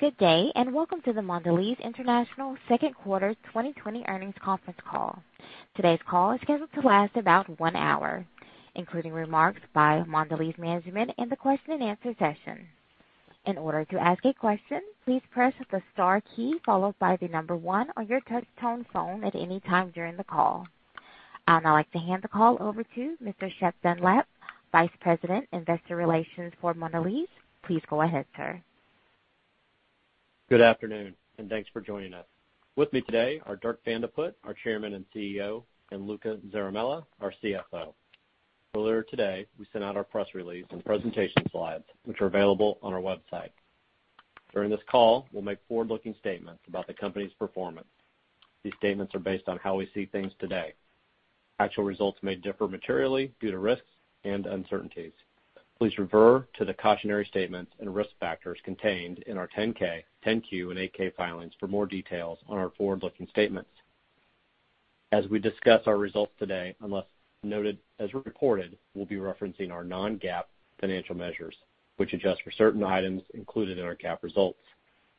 Good day, and welcome to the Mondelez International second quarter 2020 earnings conference call. Today's call is scheduled to last about one hour, including remarks by Mondelez management and the question and answer session. In order to ask a question, please press the star key followed by the number one on your touchtone phone at any time during the call. I'd now like to hand the call over to Mr. Shep Dunlap, Vice President, Investor Relations for Mondelez. Please go ahead, sir. Good afternoon, and thanks for joining us. With me today are Dirk Van de Put, our Chairman and CEO, and Luca Zaramella, our CFO. Earlier today, we sent out our press release and presentation slides, which are available on our website. During this call, we'll make forward-looking statements about the company's performance. These statements are based on how we see things today. Actual results may differ materially due to risks and uncertainties. Please refer to the cautionary statements and risk factors contained in our 10-K, 10-Q, and 8-K filings for more details on our forward-looking statements. As we discuss our results today, unless noted as reported, we'll be referencing our non-GAAP financial measures, which adjust for certain items included in our GAAP results.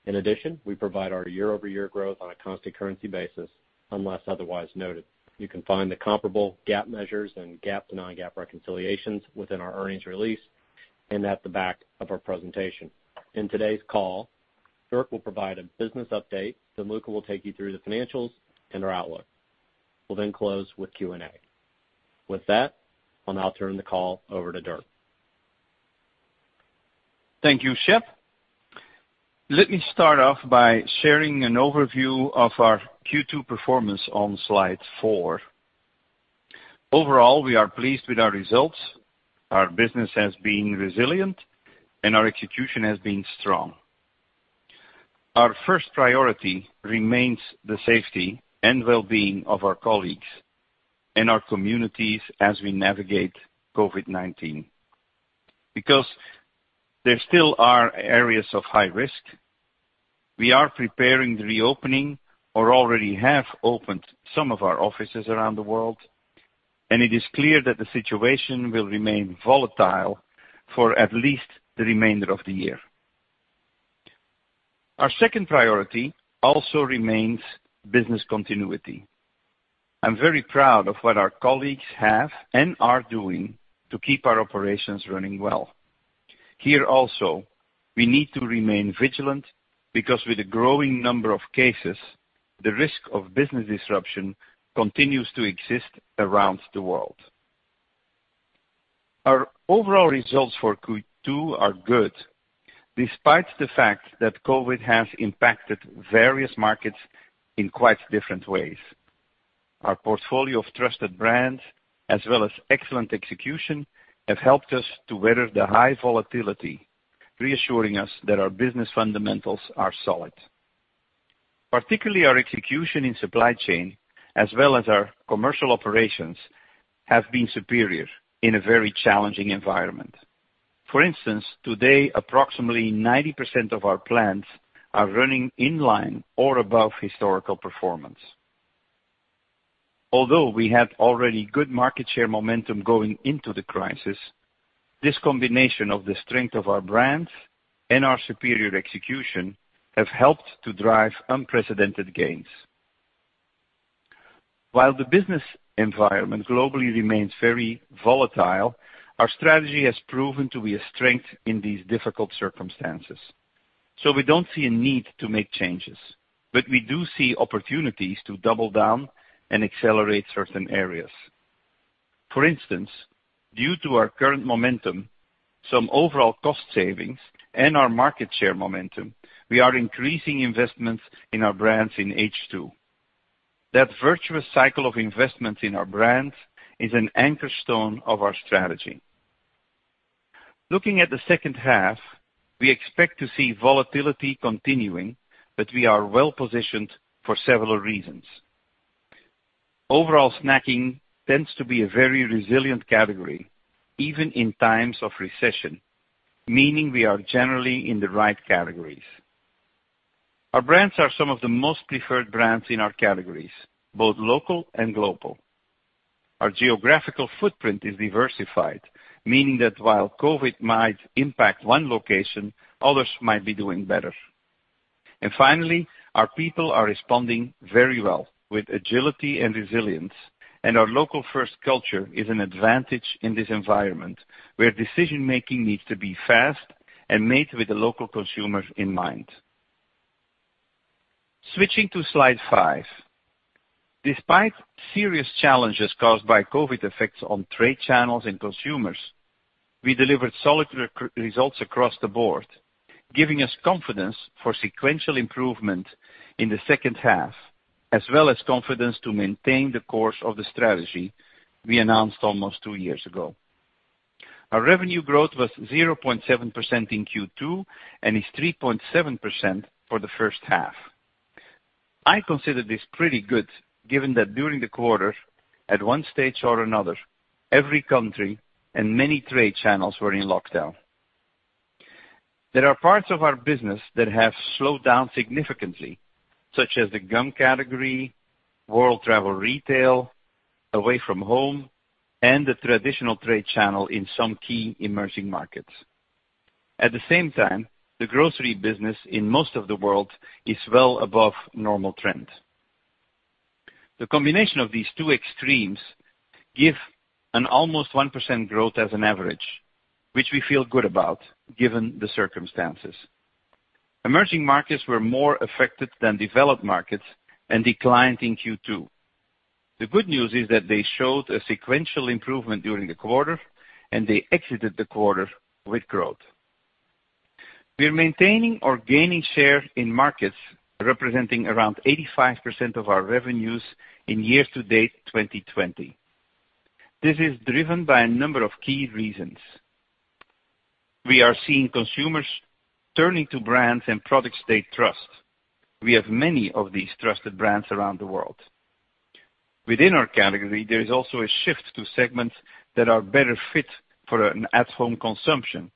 In addition, we provide our year-over-year growth on a constant currency basis, unless otherwise noted. You can find the comparable GAAP measures and GAAP to non-GAAP reconciliations within our earnings release and at the back of our presentation. In today's call, Dirk will provide a business update, then Luca will take you through the financials and our outlook. We'll then close with Q&A. With that, I'll now turn the call over to Dirk. Thank you, Shep. Let me start off by sharing an overview of our Q2 performance on slide four. Overall, we are pleased with our results. Our business has been resilient, and our execution has been strong. Our first priority remains the safety and well-being of our colleagues and our communities as we navigate COVID-19. Because there still are areas of high risk, we are preparing the reopening or already have opened some of our offices around the world, and it is clear that the situation will remain volatile for at least the remainder of the year. Our second priority also remains business continuity. I'm very proud of what our colleagues have and are doing to keep our operations running well. Here also, we need to remain vigilant because with the growing number of cases, the risk of business disruption continues to exist around the world. Our overall results for Q2 are good, despite the fact that COVID has impacted various markets in quite different ways. Our portfolio of trusted brands as well as excellent execution have helped us to weather the high volatility, reassuring us that our business fundamentals are solid. Particularly our execution in supply chain as well as our commercial operations have been superior in a very challenging environment. For instance, today, approximately 90% of our plants are running in line or above historical performance. Although we had already good market share momentum going into the crisis, this combination of the strength of our brands and our superior execution have helped to drive unprecedented gains. While the business environment globally remains very volatile, our strategy has proven to be a strength in these difficult circumstances. We don't see a need to make changes, but we do see opportunities to double down and accelerate certain areas. For instance, due to our current momentum, some overall cost savings, and our market share momentum, we are increasing investments in our brands in H2. That virtuous cycle of investments in our brands is an anchor stone of our strategy. Looking at the second half, we expect to see volatility continuing, but we are well-positioned for several reasons. Overall snacking tends to be a very resilient category, even in times of recession, meaning we are generally in the right categories. Our brands are some of the most preferred brands in our categories, both local and global. Our geographical footprint is diversified, meaning that while COVID might impact one location, others might be doing better. Finally, our people are responding very well with agility and resilience, and our local first culture is an advantage in this environment, where decision-making needs to be fast and made with the local consumers in mind. Switching to slide five. Despite serious challenges caused by COVID effects on trade channels and consumers, we delivered solid results across the board, giving us confidence for sequential improvement in the second half, as well as confidence to maintain the course of the strategy we announced almost two years ago. Our revenue growth was 0.7% in Q2 and is 3.7% for the first half. I consider this pretty good given that during the quarter, at one stage or another, every country and many trade channels were in lockdown. There are parts of our business that have slowed down significantly, such as the gum category, world travel retail, away from home and the traditional trade channel in some key emerging markets. At the same time, the grocery business in most of the world is well above normal trend. The combination of these two extremes give an almost 1% growth as an average, which we feel good about given the circumstances. Emerging markets were more affected than developed markets and declined in Q2. The good news is that they showed a sequential improvement during the quarter, and they exited the quarter with growth. We're maintaining or gaining share in markets representing around 85% of our revenues in year to date 2020. This is driven by a number of key reasons. We are seeing consumers turning to brands and products they trust. We have many of these trusted brands around the world. Within our category, there is also a shift to segments that are better fit for an at-home consumption.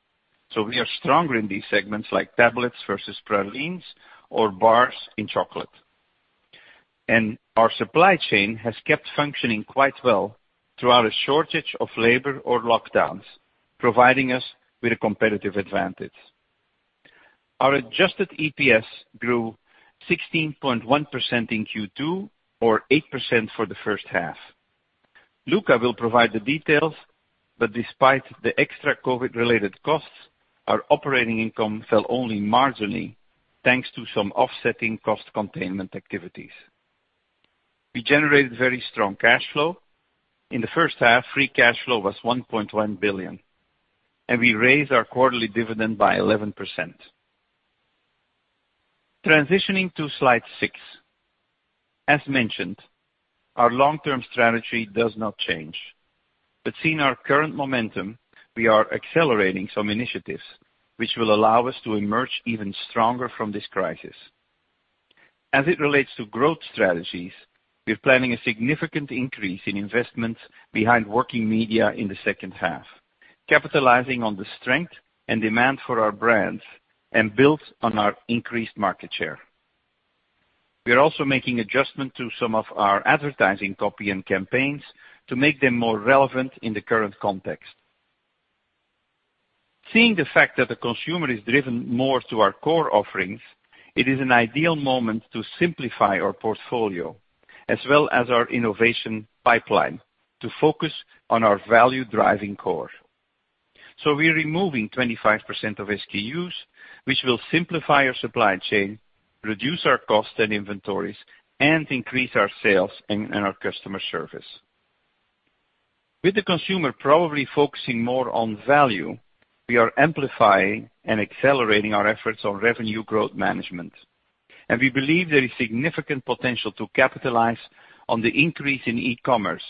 We are stronger in these segments like tablets versus pralines or bars in chocolate. Our supply chain has kept functioning quite well throughout a shortage of labor or lockdowns, providing us with a competitive advantage. Our adjusted EPS grew 16.1% in Q2, or 8% for the first half. Luca will provide the details, but despite the extra COVID-related costs, our operating income fell only marginally, thanks to some offsetting cost containment activities. We generated very strong cash flow. In the first half, free cash flow was $1.1 billion, and we raised our quarterly dividend by 11%. Transitioning to slide six. As mentioned, our long-term strategy does not change, but seeing our current momentum, we are accelerating some initiatives which will allow us to emerge even stronger from this crisis. As it relates to growth strategies, we're planning a significant increase in investments behind working media in the second half, capitalizing on the strength and demand for our brands and build on our increased market share. We are also making adjustment to some of our advertising copy and campaigns to make them more relevant in the current context. Seeing the fact that the consumer is driven more to our core offerings, it is an ideal moment to simplify our portfolio as well as our innovation pipeline to focus on our value-driving core. We're removing 25% of SKUs, which will simplify our supply chain, reduce our cost and inventories, and increase our sales and our customer service. With the consumer probably focusing more on value, we are amplifying and accelerating our efforts on revenue growth management, and we believe there is significant potential to capitalize on the increase in e-commerce,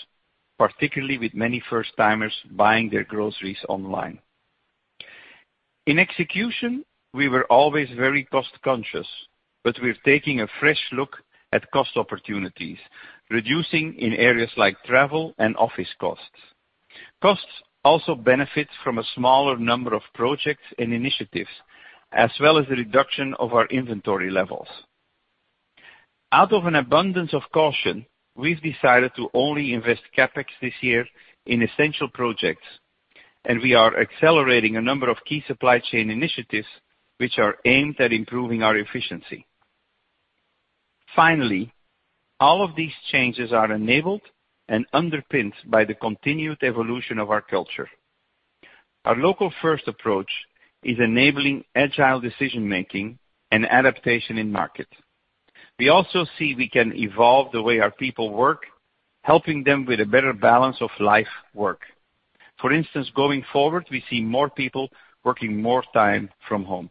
particularly with many first-timers buying their groceries online. In execution, we were always very cost-conscious, but we're taking a fresh look at cost opportunities, reducing in areas like travel and office costs. Costs also benefit from a smaller number of projects and initiatives, as well as the reduction of our inventory levels. Out of an abundance of caution, we've decided to only invest CapEx this year in essential projects, and we are accelerating a number of key supply chain initiatives which are aimed at improving our efficiency. Finally, all of these changes are enabled and underpinned by the continued evolution of our culture. Our local first approach is enabling agile decision-making and adaptation in market. We also see we can evolve the way our people work, helping them with a better balance of life/work. For instance, going forward, we see more people working more time from home.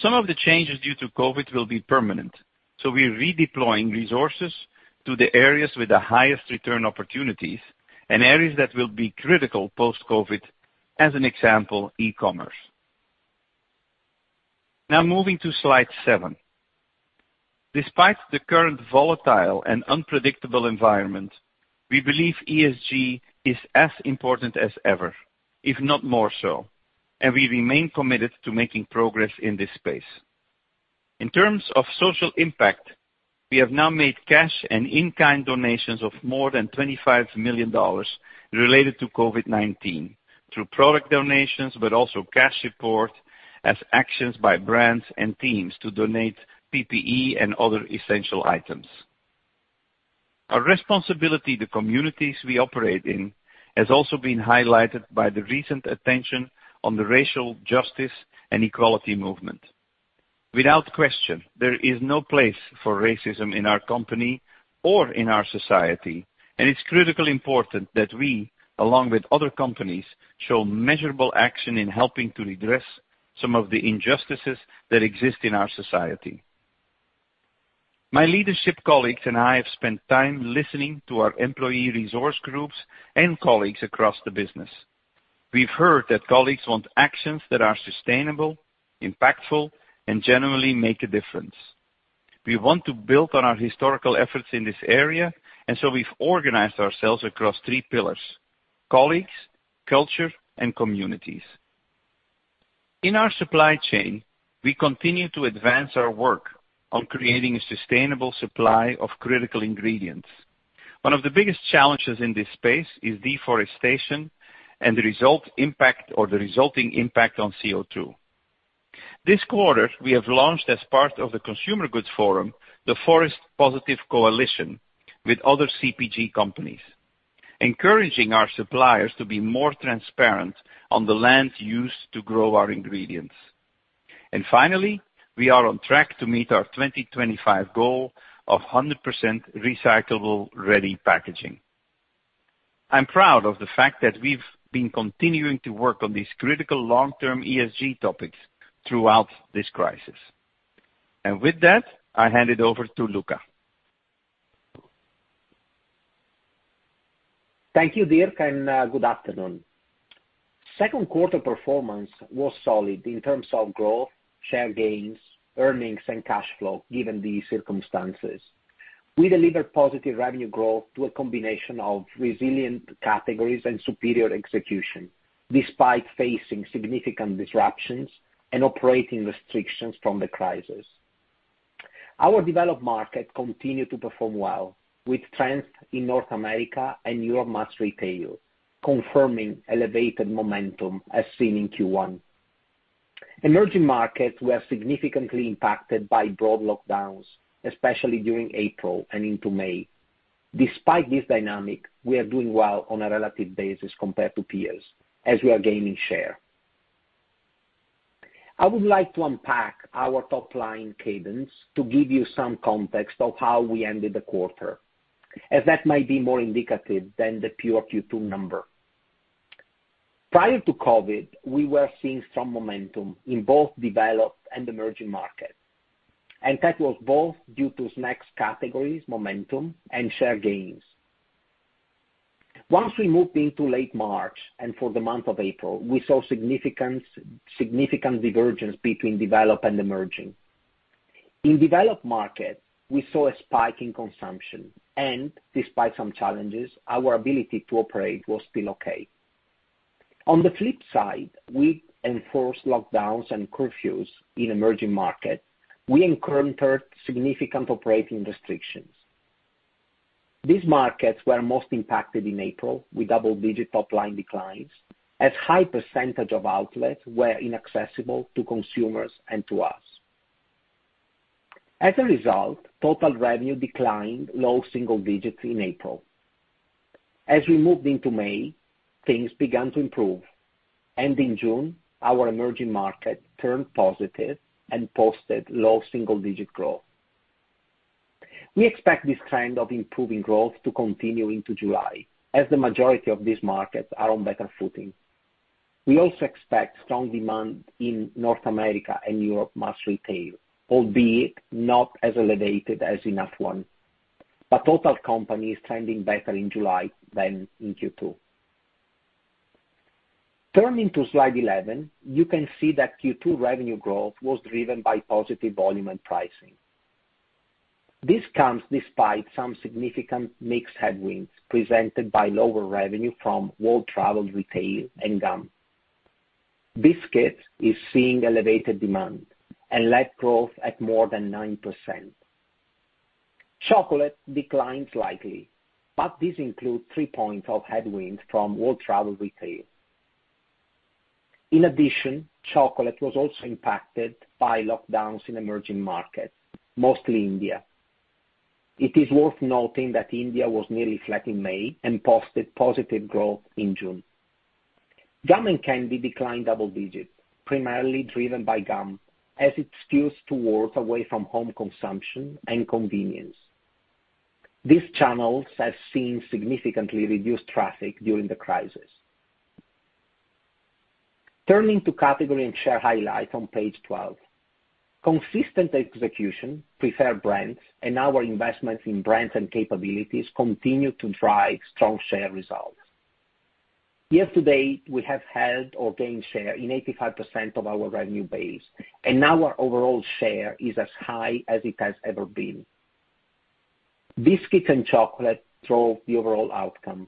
Some of the changes due to COVID will be permanent, so we're redeploying resources to the areas with the highest return opportunities and areas that will be critical post-COVID, as an example, e-commerce. Moving to slide seven. Despite the current volatile and unpredictable environment, we believe ESG is as important as ever, if not more so, and we remain committed to making progress in this space. In terms of social impact, we have now made cash and in-kind donations of more than $25 million related to COVID-19 through product donations, but also cash support as actions by brands and teams to donate PPE and other essential items. Our responsibility to communities we operate in has also been highlighted by the recent attention on the racial justice and equality movement. Without question, there is no place for racism in our company or in our society. It's critically important that we, along with other companies, show measurable action in helping to redress some of the injustices that exist in our society. My leadership colleagues and I have spent time listening to our employee resource groups and colleagues across the business. We've heard that colleagues want actions that are sustainable, impactful, and generally make a difference. We want to build on our historical efforts in this area. We've organized ourselves across three pillars: colleagues, culture, and communities. In our supply chain, we continue to advance our work on creating a sustainable supply of critical ingredients. One of the biggest challenges in this space is deforestation and the resulting impact on CO2. This quarter, we have launched, as part of the Consumer Goods Forum, the Forest Positive Coalition with other CPG companies, encouraging our suppliers to be more transparent on the land used to grow our ingredients. Finally, we are on track to meet our 2025 goal of 100% recyclable-ready packaging. I'm proud of the fact that we've been continuing to work on these critical long-term ESG topics throughout this crisis. With that, I hand it over to Luca. Thank you, Dirk, and good afternoon. Second quarter performance was solid in terms of growth, share gains, earnings, and cash flow, given the circumstances. We delivered positive revenue growth through a combination of resilient categories and superior execution, despite facing significant disruptions and operating restrictions from the crisis. Our developed markets continue to perform well, with trends in North America and Europe mass retail confirming elevated momentum as seen in Q1. Emerging markets were significantly impacted by broad lockdowns, especially during April and into May. Despite this dynamic, we are doing well on a relative basis compared to peers, as we are gaining share. I would like to unpack our top-line cadence to give you some context of how we ended the quarter, as that might be more indicative than the pure Q2 number. Prior to COVID, we were seeing some momentum in both developed and emerging markets, and that was both due to snacks categories momentum and share gains. Once we moved into late March and for the month of April, we saw significant divergence between developed and emerging. In developed markets, we saw a spike in consumption and despite some challenges, our ability to operate was still okay. On the flip side, with enforced lockdowns and curfews in emerging markets, we encountered significant operating restrictions. These markets were most impacted in April with double-digit top-line declines as a high percentage of outlets were inaccessible to consumers and to us. As a result, total revenue declined low single digits in April. As we moved into May, things began to improve. In June, our emerging markets turned positive and posted low single-digit growth. We expect this trend of improving growth to continue into July, as the majority of these markets are on better footing. We also expect strong demand in North America and Europe mass retail, albeit not as elevated as in half one. The total company is trending better in July than in Q2. Turning to slide 11, you can see that Q2 revenue growth was driven by positive volume and pricing. This comes despite some significant mixed headwinds presented by lower revenue from world travel retail and gum. Biscuits is seeing elevated demand and led growth at more than 9%. Chocolate declined slightly, but this includes three points of headwinds from world travel retail. In addition, Chocolate was also impacted by lockdowns in emerging markets, mostly India. It is worth noting that India was nearly flat in May and posted positive growth in June. Gum and candy declined double digits, primarily driven by gum, as it skews towards away-from-home consumption and convenience. These channels have seen significantly reduced traffic during the crisis. Turning to category and share highlights on page 12. Consistent execution, preferred brands, and our investments in brands and capabilities continue to drive strong share results. Year to date, we have held or gained share in 85% of our revenue base, and our overall share is as high as it has ever been. Biscuits and chocolate drove the overall outcome.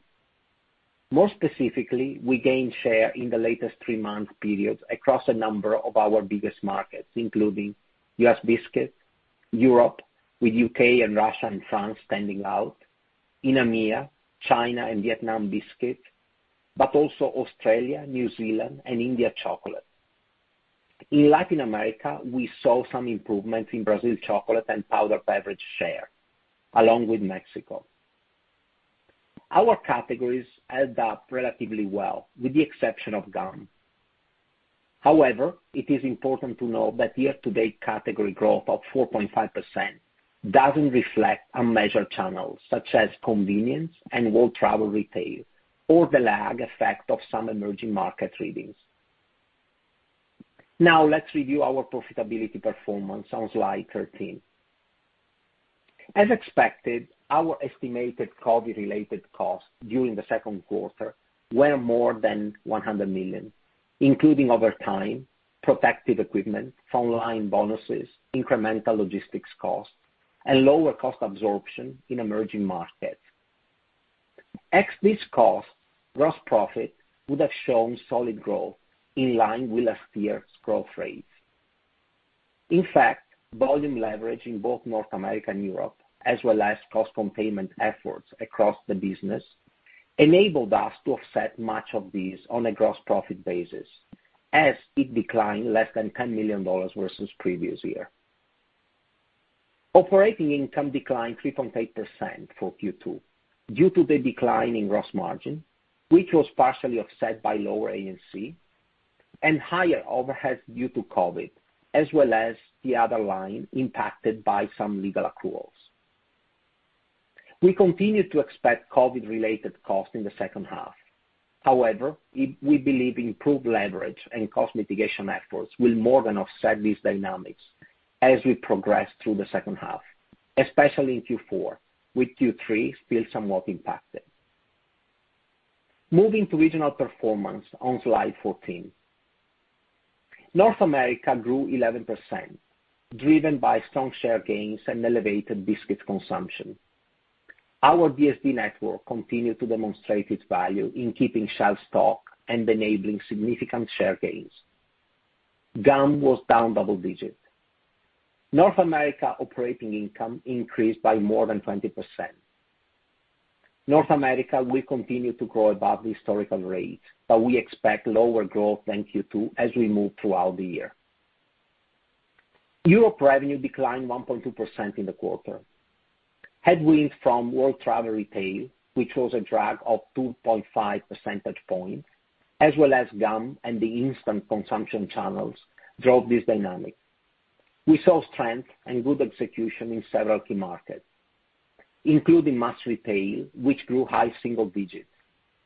More specifically, we gained share in the latest three-month periods across a number of our biggest markets, including U.S. biscuits, Europe, with U.K. and Russia and France standing out, in EMEA, China, and Vietnam biscuits, but also Australia, New Zealand, and India chocolate. In Latin America, we saw some improvement in Brazil chocolate and powder beverage share, along with Mexico. Our categories held up relatively well, with the exception of gum. However, it is important to note that year-to-date category growth of 4.5% doesn't reflect unmeasured channels such as convenience and world travel retail or the lag effect of some emerging market readings. Let's review our profitability performance on slide 13. As expected, our estimated COVID-related costs during the second quarter were more than $100 million, including overtime, protective equipment, frontline bonuses, incremental logistics costs, and lower cost absorption in emerging markets. Excluding this cost, gross profit would have shown solid growth in line with last year's growth rates. In fact, volume leverage in both North America and Europe, as well as cost containment efforts across the business, enabled us to offset much of this on a gross profit basis, as it declined less than $10 million versus previous year. Operating income declined 3.8% for Q2 due to the decline in gross margin, which was partially offset by lower A&C and higher overhead due to COVID, as well as the other line impacted by some legal accruals. We continue to expect COVID-related costs in the second half. We believe improved leverage and cost mitigation efforts will more than offset these dynamics as we progress through the second half, especially in Q4, with Q3 still somewhat impacted. Moving to regional performance on slide 14. North America grew 11%, driven by strong share gains and elevated biscuit consumption. Our DSD network continued to demonstrate its value in keeping shelf stock and enabling significant share gains. Gum was down double digits. North America operating income increased by more than 20%. North America will continue to grow above historical rates, we expect lower growth than Q2 as we move throughout the year. Europe revenue declined 1.2% in the quarter. Headwinds from world travel retail, which was a drag of 2.5 percentage points, as well as gum and the instant consumption channels drove this dynamic. We saw strength and good execution in several key markets, including mass retail, which grew high single digits,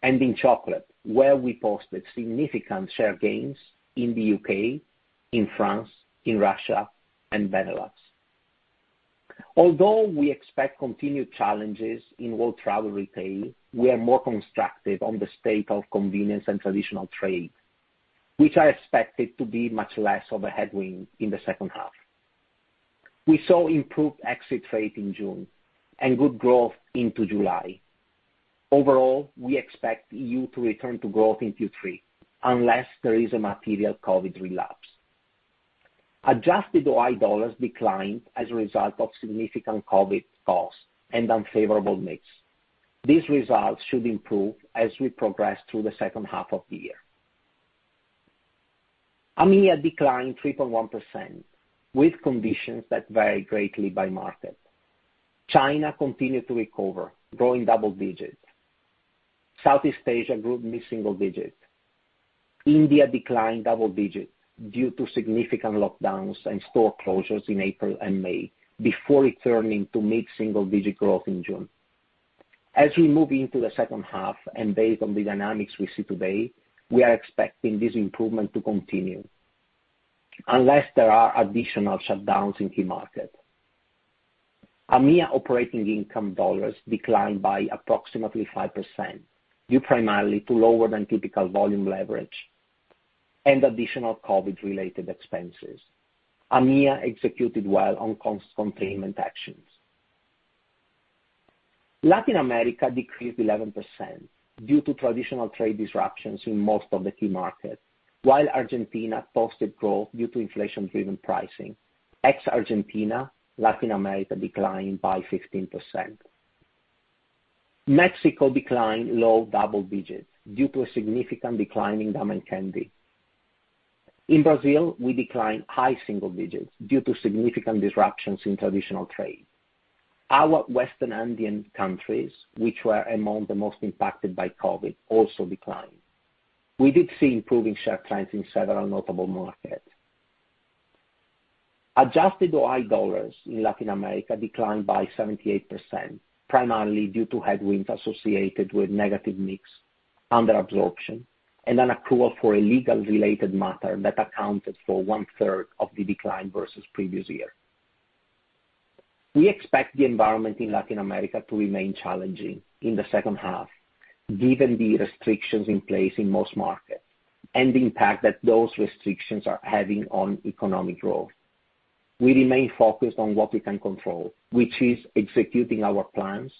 and in chocolate, where we posted significant share gains in the U.K., in France, in Russia, and Benelux. We expect continued challenges in world travel retail, we are more constructive on the state of convenience and traditional trade, which are expected to be much less of a headwind in the second half. We saw improved exit trade in June and good growth into July. We expect E.U. to return to growth in Q3 unless there is a material COVID-19 relapse. Adjusted OI dollars declined as a result of significant COVID-19 costs and unfavorable mix. These results should improve as we progress through the second half of the year. AMEA declined 3.1%, with conditions that vary greatly by market. China continued to recover, growing double digits. Southeast Asia grew mid-single digits. India declined double digits due to significant lockdowns and store closures in April and May before returning to mid-single-digit growth in June. As we move into the second half and based on the dynamics we see today, we are expecting this improvement to continue unless there are additional shutdowns in key markets. AMEA operating income dollars declined by approximately 5%, due primarily to lower than typical volume leverage and additional COVID-19-related expenses. AMEA executed well on cost containment actions. Latin America decreased 11% due to traditional trade disruptions in most of the key markets, while Argentina posted growth due to inflation-driven pricing. Ex Argentina, Latin America declined by 15%. Mexico declined low double digits due to a significant decline in gum and candy. In Brazil, we declined high single digits due to significant disruptions in traditional trade. Our Western Andean countries, which were among the most impacted by COVID-19, also declined. We did see improving share trends in several notable markets. Adjusted OI dollars in Latin America declined by 78%, primarily due to headwinds associated with negative mix, under absorption, and an accrual for a legal-related matter that accounted for one-third of the decline versus the previous year. We expect the environment in Latin America to remain challenging in the second half, given the restrictions in place in most markets and the impact that those restrictions are having on economic growth. We remain focused on what we can control, which is executing our plans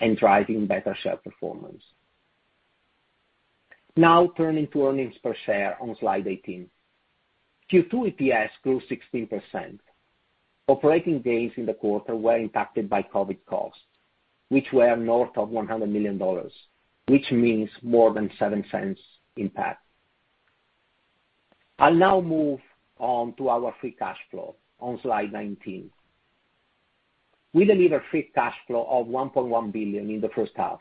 and driving better share performance. Now turning to earnings per share on slide 18. Q2 EPS grew 16%. Operating gains in the quarter were impacted by COVID-19 costs, which were north of $100 million, which means more than $0.07 impact. I'll now move on to our free cash flow on slide 19. We delivered free cash flow of $1.1 billion in the first half.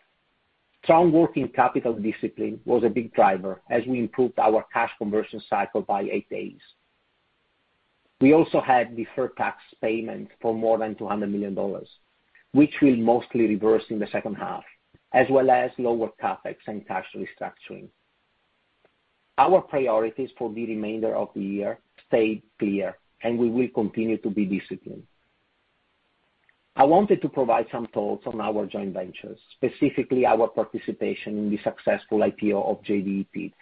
Strong working capital discipline was a big driver as we improved our cash conversion cycle by eight days. We also had deferred tax payments for more than $200 million, which will mostly reverse in the second half, as well as lower CapEx and tax restructuring. Our priorities for the remainder of the year stay clear. We will continue to be disciplined. I wanted to provide some thoughts on our joint ventures, specifically our participation in the successful IPO of JDE Peet's.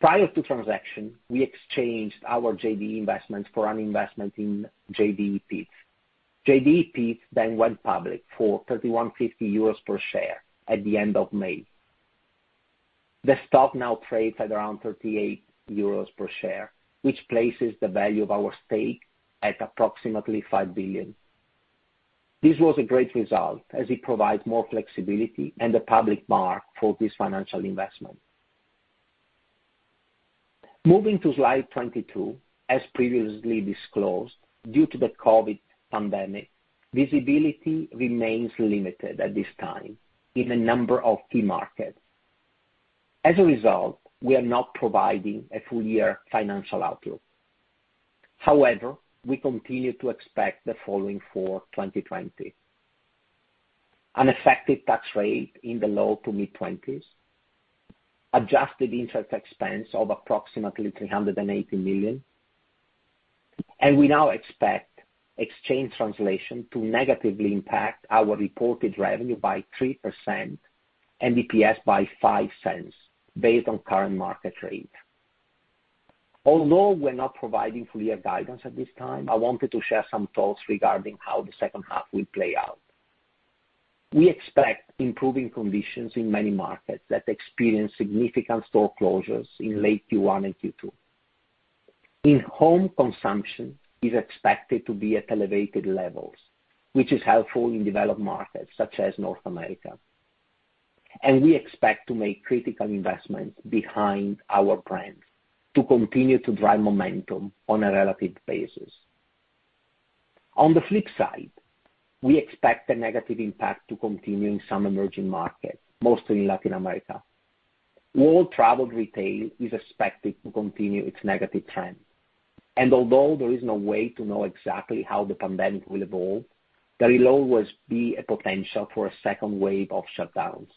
Prior to transaction, we exchanged our JDE investment for an investment in JDE Peet's. JDE Peet's went public for 3,150 euros per share at the end of May. The stock now trades at around GBP 38 per share, which places the value of our stake at approximately $5 billion. This was a great result as it provides more flexibility and a public mark for this financial investment. Moving to slide 22, as previously disclosed, due to the COVID-19 pandemic, visibility remains limited at this time in a number of key markets. As a result, we are not providing a full year financial outlook. However, we continue to expect the following for 2020. An effective tax rate in the low to mid-20s, adjusted interest expense of approximately $380 million, we now expect exchange translation to negatively impact our reported revenue by 3% and EPS by $0.05, based on current market rates. Although we're not providing full year guidance at this time, I wanted to share some thoughts regarding how the second half will play out. We expect improving conditions in many markets that experienced significant store closures in late Q1 and Q2. In-home consumption is expected to be at elevated levels, which is helpful in developed markets such as North America. We expect to make critical investments behind our brands to continue to drive momentum on a relative basis. On the flip side, we expect the negative impact to continue in some emerging markets, mostly in Latin America. World travel retail is expected to continue its negative trend. Although there is no way to know exactly how the pandemic will evolve, there will always be a potential for a second wave of shutdowns.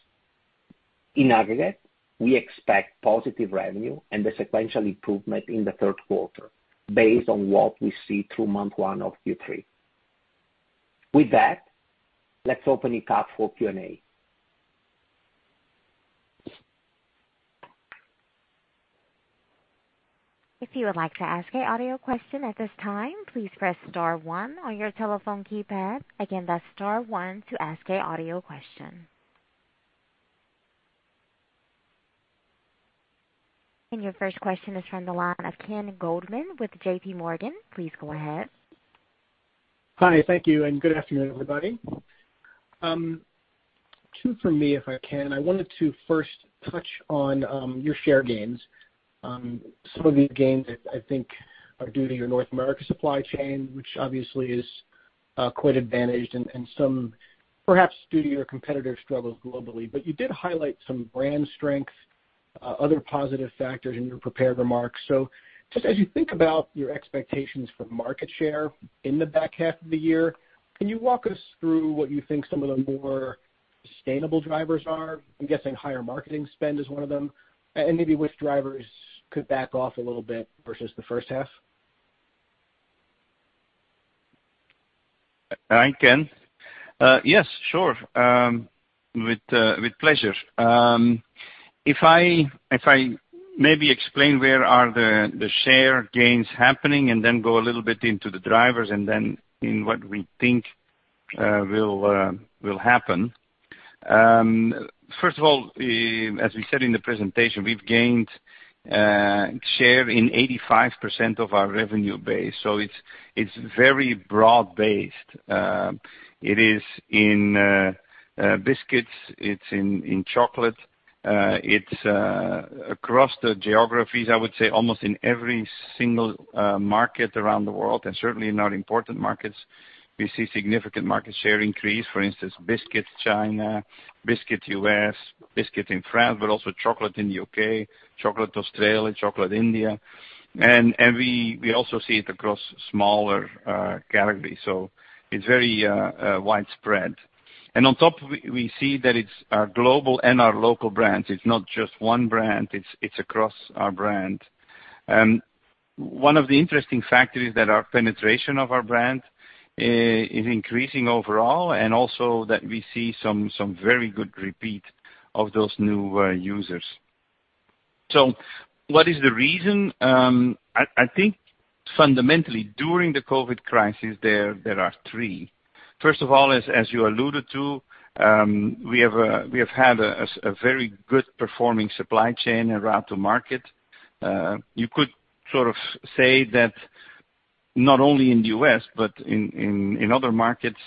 In aggregate, we expect positive revenue and a sequential improvement in the third quarter based on what we see through month one of Q3. With that, let's open it up for Q&A. If you would like to ask a audio question at this time, please press star one on your telephone keypad. Again, that's star one to ask a audio question. Your first question is from the line of Ken Goldman with JPMorgan. Please go ahead. Hi. Thank you, and good afternoon, everybody. Two from me, if I can. I wanted to first touch on your share gains. Some of these gains I think are due to your North America supply chain, which obviously is quite advantaged and some perhaps due to your competitor struggles globally. You did highlight some brand strength, other positive factors in your prepared remarks. Just as you think about your expectations for market share in the back half of the year, can you walk us through what you think some of the more sustainable drivers are? I'm guessing higher marketing spend is one of them, and maybe which drivers could back off a little bit versus the first half. Hi, Ken. Yes, sure. With pleasure. If I maybe explain where are the share gains happening and then go a little bit into the drivers and then in what we think will happen. First of all, as we said in the presentation, we've gained share in 85% of our revenue base, so it's very broad-based. It is in biscuits, it's in chocolate, it's across the geographies, I would say almost in every single market around the world, and certainly in our important markets, we see significant market share increase. For instance, biscuits China, biscuits U.S., biscuit in France, but also chocolate in the U.K., chocolate Australia, chocolate India. We also see it across smaller categories. It's very widespread. On top, we see that it's our global and our local brands. It's not just one brand, it's across our brand. One of the interesting factors that our penetration of our brand is increasing overall and also that we see some very good repeat of those new users. What is the reason? I think fundamentally during the COVID crisis there are three. First of all, as you alluded to, we have had a very good performing supply chain and route to market. You could sort of say that not only in the U.S. but in other markets,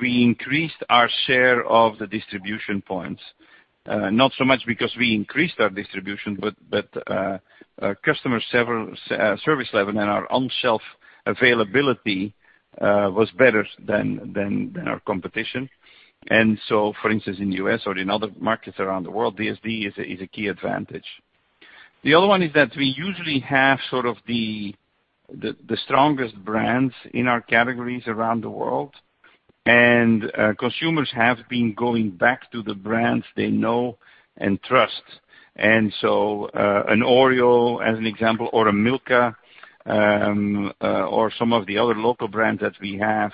we increased our share of the distribution points. Not so much because we increased our distribution, but our customer service level and our on-shelf availability was better than our competition. For instance, in the U.S. or in other markets around the world, DSD is a key advantage. The other one is that we usually have sort of the strongest brands in our categories around the world, and consumers have been going back to the brands they know and trust. An Oreo as an example, or a Milka, or some of the other local brands that we have.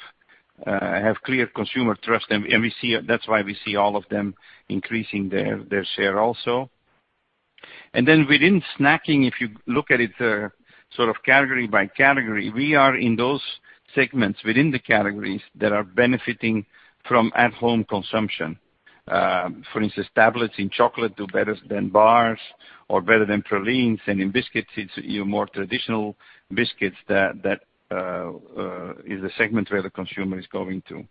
Have clear consumer trust. That's why we see all of them increasing their share also. Then within snacking, if you look at it sort of category by category, we are in those segments within the categories that are benefiting from at-home consumption. For instance, tablets in chocolate do better than bars or better than pralines. In biscuits, it's your more traditional biscuits that is a segment where the consumer is going to.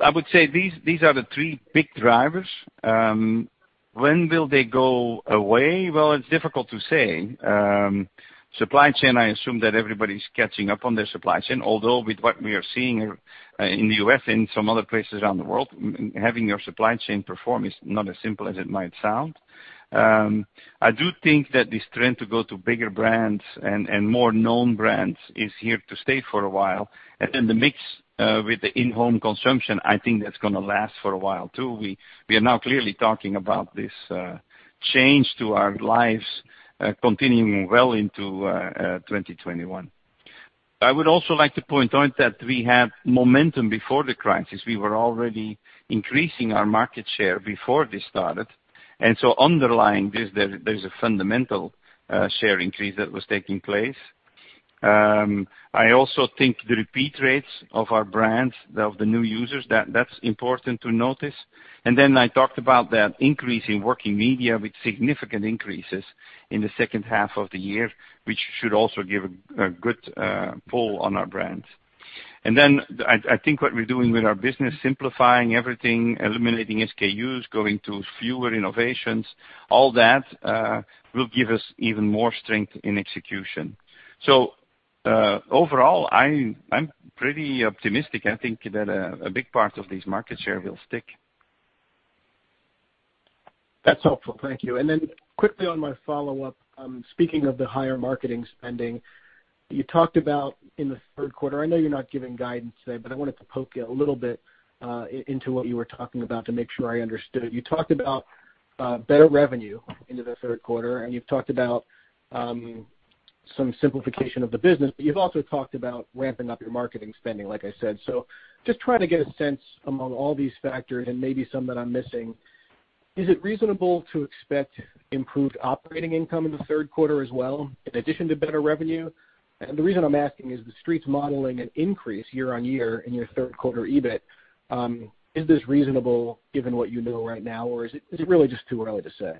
I would say these are the three big drivers. When will they go away? Well, it's difficult to say. Supply chain, I assume that everybody's catching up on their supply chain. Although with what we are seeing in the U.S. and some other places around the world, having your supply chain perform is not as simple as it might sound. I do think that this trend to go to bigger brands and more known brands is here to stay for a while. The mix, with the in-home consumption, I think that's going to last for a while, too. We are now clearly talking about this change to our lives continuing well into 2021. I would also like to point out that we had momentum before the crisis. We were already increasing our market share before this started. Underlying this, there is a fundamental share increase that was taking place. I also think the repeat rates of our brands, of the new users, that's important to notice. I talked about that increase in working media with significant increases in the second half of the year, which should also give a good pull on our brands. I think what we're doing with our business, simplifying everything, eliminating SKUs, going to fewer innovations, all that will give us even more strength in execution. Overall, I'm pretty optimistic. I think that a big part of this market share will stick. That's helpful. Thank you. Quickly on my follow-up, speaking of the higher marketing spending, you talked about in the third quarter, I know you're not giving guidance today, but I wanted to poke a little bit into what you were talking about to make sure I understood. You talked about better revenue into the third quarter, and you've talked about some simplification of the business, but you've also talked about ramping up your marketing spending, like I said. Just trying to get a sense among all these factors and maybe some that I'm missing, is it reasonable to expect improved operating income in the third quarter as well in addition to better revenue? The reason I'm asking is the Street's modeling an increase year-on-year in your third quarter EBIT. Is this reasonable given what you know right now, or is it really just too early to say?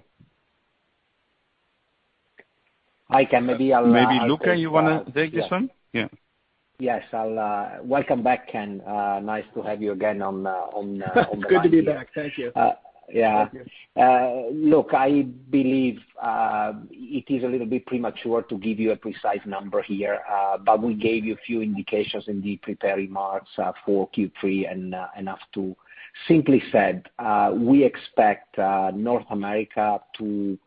Maybe Luca, you want to take this one? Yeah. Yes. Welcome back, Ken. Nice to have you again on the call here. It's good to be back. Thank you. Look, I believe it is a little bit premature to give you a precise number here, but we gave you a few indications in the prepared remarks for Q3 and H2. Simply said, we expect North America to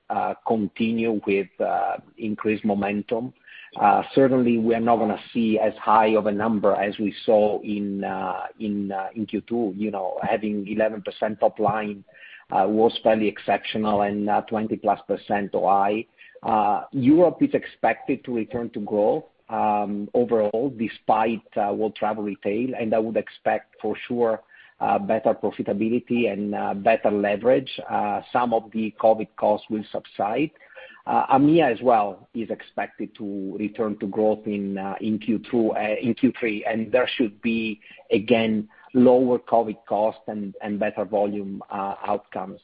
continue with increased momentum. Certainly, we are not going to see as high of a number as we saw in Q2. Having 11% top line was fairly exceptional and 20%+ OI. Europe is expected to return to growth overall despite world travel retail, and I would expect for sure better profitability and better leverage. Some of the COVID costs will subside. AMEA as well is expected to return to growth in Q3, and there should be, again, lower COVID costs and better volume outcomes.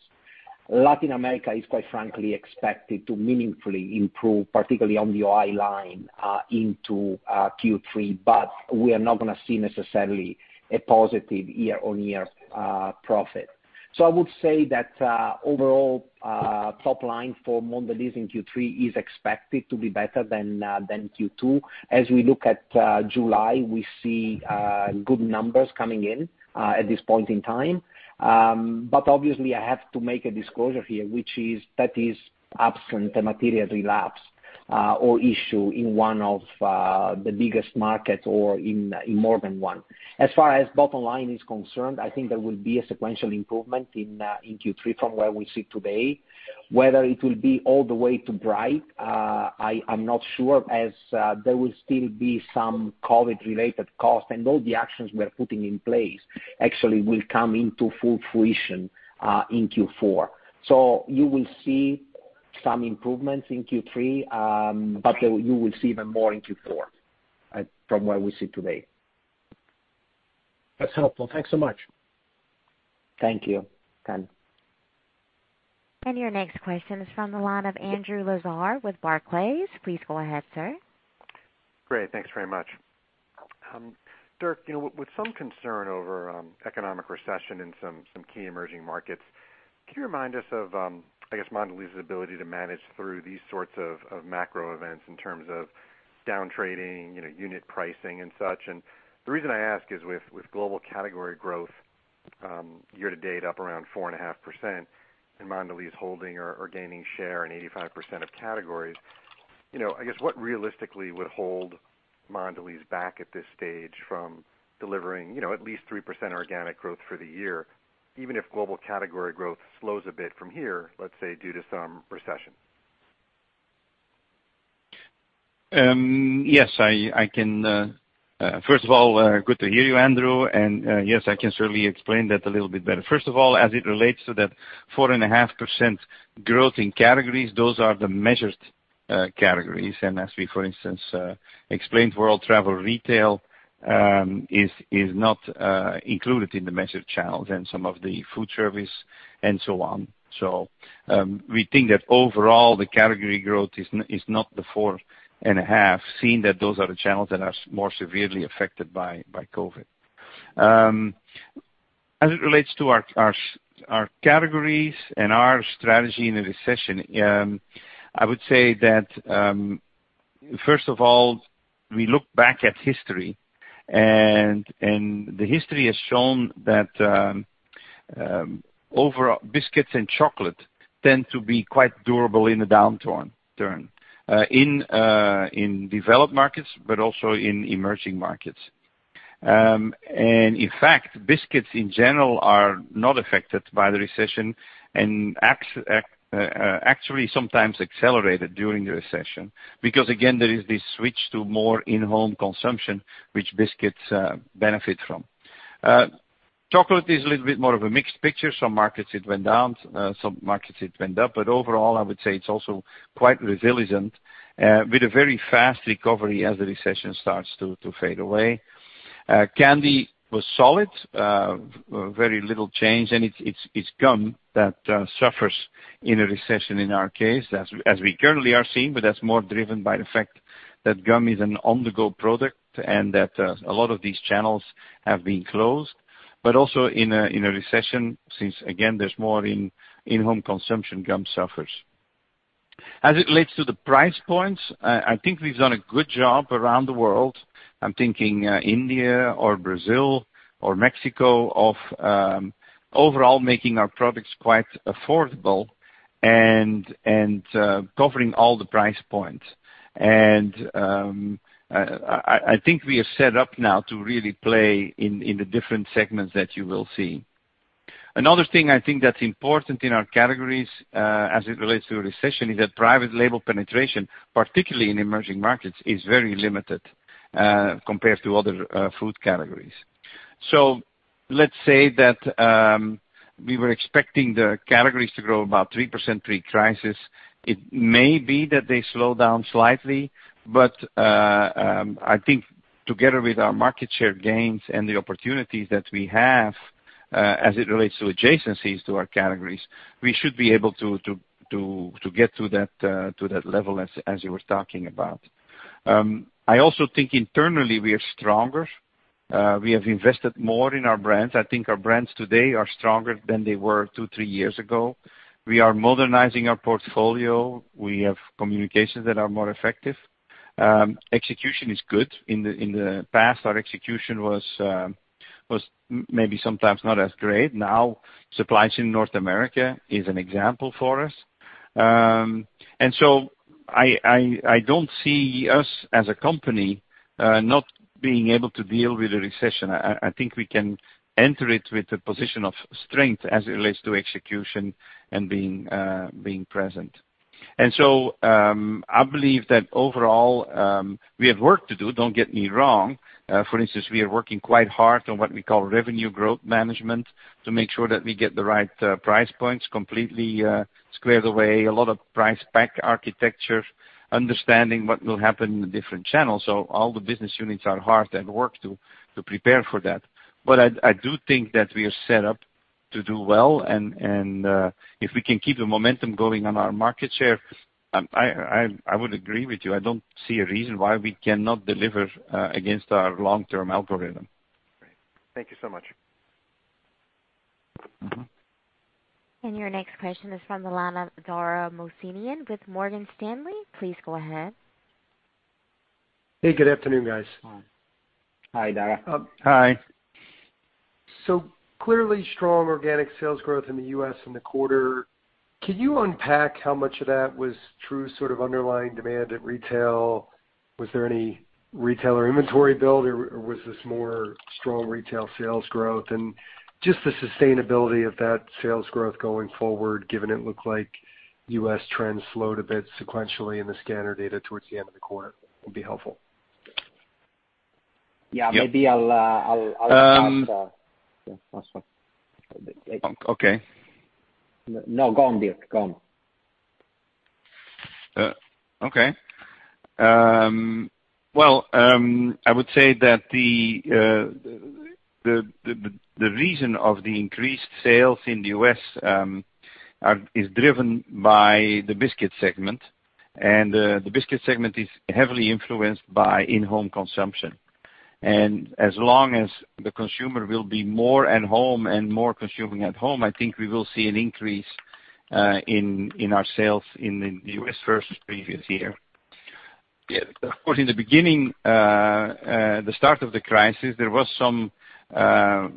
Latin America is quite frankly expected to meaningfully improve, particularly on the OI line, into Q3, but we are not going to see necessarily a positive year-on-year profit. I would say that overall top line for Mondelez in Q3 is expected to be better than Q2. As we look at July, we see good numbers coming in at this point in time. Obviously I have to make a disclosure here, which is that is absent a material relapse or issue in one of the biggest markets or in more than one. As far as bottom line is concerned, I think there will be a sequential improvement in Q3 from where we sit today. Whether it will be all the way to bright, I'm not sure, as there will still be some COVID-related costs, and all the actions we are putting in place actually will come into full fruition in Q4. You will see some improvements in Q3, but you will see even more in Q4 from where we sit today. That's helpful. Thanks so much. Thank you, Ken. Your next question is from the line of Andrew Lazar with Barclays. Please go ahead, sir. Great. Thanks very much. Dirk, with some concern over economic recession in some key emerging markets, can you remind us of, I guess Mondelez's ability to manage through these sorts of macro events in terms of down trading, unit pricing and such? The reason I ask is with global category growth year to date up around 4.5% and Mondelez holding or gaining share in 85% of categories, I guess what realistically would hold Mondelez back at this stage from delivering at least 3% organic growth for the year, even if global category growth slows a bit from here, let's say, due to some recession? Yes, first of all, good to hear you, Andrew. Yes, I can certainly explain that a little bit better. First of all, as it relates to that 4.5% growth in categories, those are the measured categories. As we, for instance, explained world travel retail is not included in the measured channels and some of the food service and so on. We think that overall the category growth is not the four and a half, seeing that those are the channels that are more severely affected by COVID. As it relates to our categories and our strategy in a recession, I would say that, first of all, we look back at history, and the history has shown that biscuits and chocolate tend to be quite durable in a downturn, in developed markets, but also in emerging markets. In fact, biscuits in general are not affected by the recession and actually sometimes accelerated during the recession because, again, there is this switch to more in-home consumption, which biscuits benefit from. Chocolate is a little bit more of a mixed picture. Some markets it went down, some markets it went up, overall, I would say it's also quite resilient, with a very fast recovery as the recession starts to fade away. Candy was solid, very little change, it's gum that suffers in a recession in our case, as we currently are seeing, that's more driven by the fact that gum is an on-the-go product and that a lot of these channels have been closed. Also in a recession, since again, there's more in-home consumption, gum suffers. As it relates to the price points, I think we've done a good job around the world. I'm thinking India or Brazil or Mexico of overall making our products quite affordable and covering all the price points. I think we are set up now to really play in the different segments that you will see. Another thing I think that's important in our categories as it relates to a recession is that private label penetration, particularly in emerging markets, is very limited compared to other food categories. Let's say that we were expecting the categories to grow about 3% pre-crisis. It may be that they slow down slightly. I think together with our market share gains and the opportunities that we have as it relates to adjacencies to our categories, we should be able to get to that level as you were talking about. I also think internally we are stronger. We have invested more in our brands. I think our brands today are stronger than they were two, three years ago. We are modernizing our portfolio. We have communications that are more effective. Execution is good. In the past, our execution was maybe sometimes not as great. Now, supplies in North America is an example for us. I don't see us as a company not being able to deal with a recession. I think we can enter it with a position of strength as it relates to execution and being present. I believe that overall, we have work to do, don't get me wrong. For instance, we are working quite hard on what we call Revenue Growth Management to make sure that we get the right price points completely squared away. A lot of Price Pack Architecture, understanding what will happen in the different channels. All the business units are hard at work to prepare for that. I do think that we are set up to do well, and if we can keep the momentum going on our market share, I would agree with you. I don't see a reason why we cannot deliver against our long-term algorithm. Great. Thank you so much. Your next question is from Dara Mohsenian with Morgan Stanley. Please go ahead. Hey, good afternoon, guys. Hi. Hi, Dara. Hi. Clearly strong organic sales growth in the U.S. in the quarter. Can you unpack how much of that was true sort of underlying demand at retail? Was there any retailer inventory build, or was this more strong retail sales growth? just the sustainability of that sales growth going forward, given it looked like U.S. trends slowed a bit sequentially in the scanner data towards the end of the quarter, would be helpful. Yeah, maybe I'll- Okay. No, go on, Dirk. Go on. Okay. Well, I would say that the reason of the increased sales in the U.S. is driven by the biscuit segment, and the biscuit segment is heavily influenced by in-home consumption. As long as the consumer will be more at home and more consuming at home, I think we will see an increase in our sales in the U.S. versus previous year. Of course, in the beginning, the start of the crisis, there was a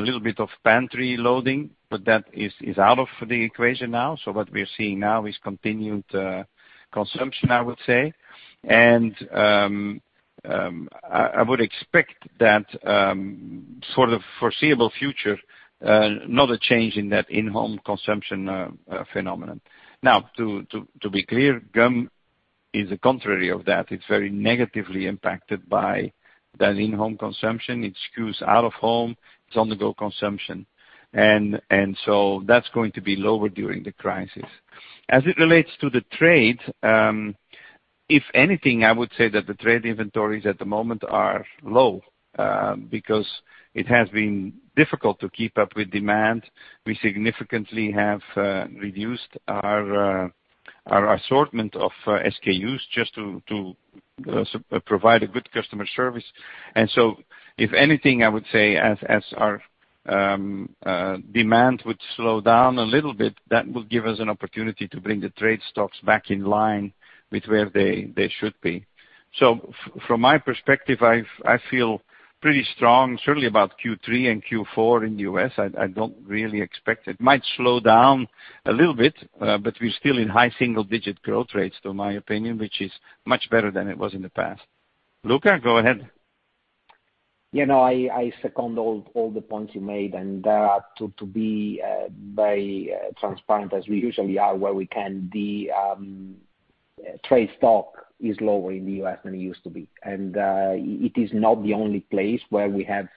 little bit of pantry loading, but that is out of the equation now. What we're seeing now is continued consumption, I would say. I would expect that for the foreseeable future, not a change in that in-home consumption phenomenon. Now, to be clear, gum is the contrary of that. It's very negatively impacted by that in-home consumption. It skews out-of-home, it's on-the-go consumption. That's going to be lower during the crisis. As it relates to the trade, if anything, I would say that the trade inventories at the moment are low because it has been difficult to keep up with demand. We significantly have reduced our assortment of SKUs just to provide a good customer service. If anything, I would say as our demand would slow down a little bit, that will give us an opportunity to bring the trade stocks back in line with where they should be. From my perspective, I feel pretty strong, certainly about Q3 and Q4 in the U.S. I don't really expect it might slow down a little bit, but we're still in high single-digit growth rates to my opinion, which is much better than it was in the past. Luca, go ahead. I second all the points you made, and to be very transparent, as we usually are where we can, the trade stock is lower in the U.S. than it used to be. It is not the only place where we have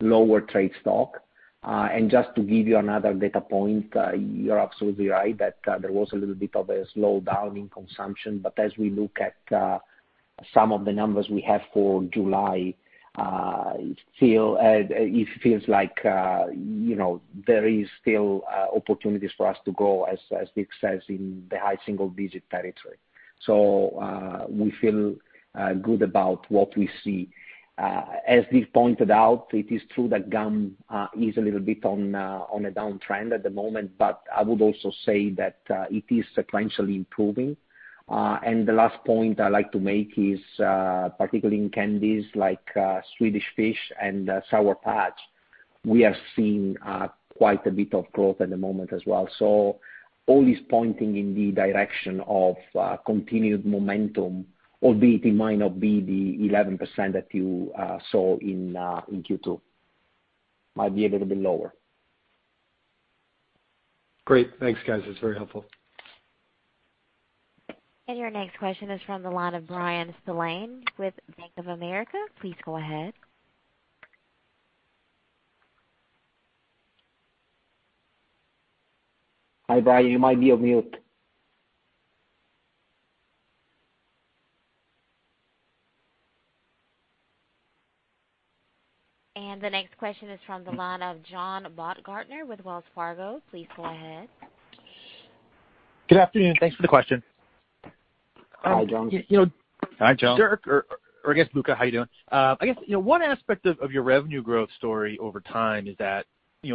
lower trade stock. Just to give you another data point, you're absolutely right that there was a little bit of a slowdown in consumption. As we look at some of the numbers we have for July, it feels like there is still opportunities for us to grow, as Dirk says, in the high single digit territory. We feel good about what we see. As we pointed out, it is true that gum is a little bit on a downtrend at the moment, but I would also say that it is sequentially improving. The last point I like to make is, particularly in candies like Swedish Fish and Sour Patch, we are seeing quite a bit of growth at the moment as well. All is pointing in the direction of continued momentum, albeit it might not be the 11% that you saw in Q2. Might be a little bit lower. Great. Thanks, guys. That's very helpful. your next question is from the line of Bryan Spillane with Bank of America. Please go ahead. Hi, Bryan. You might be on mute. The next question is from the line of John Baumgartner with Wells Fargo. Please go ahead. Good afternoon. Thanks for the question. Hi, John. Hi, John. Dirk, or I guess, Luca, how you doing? I guess one aspect of your revenue growth story over time is that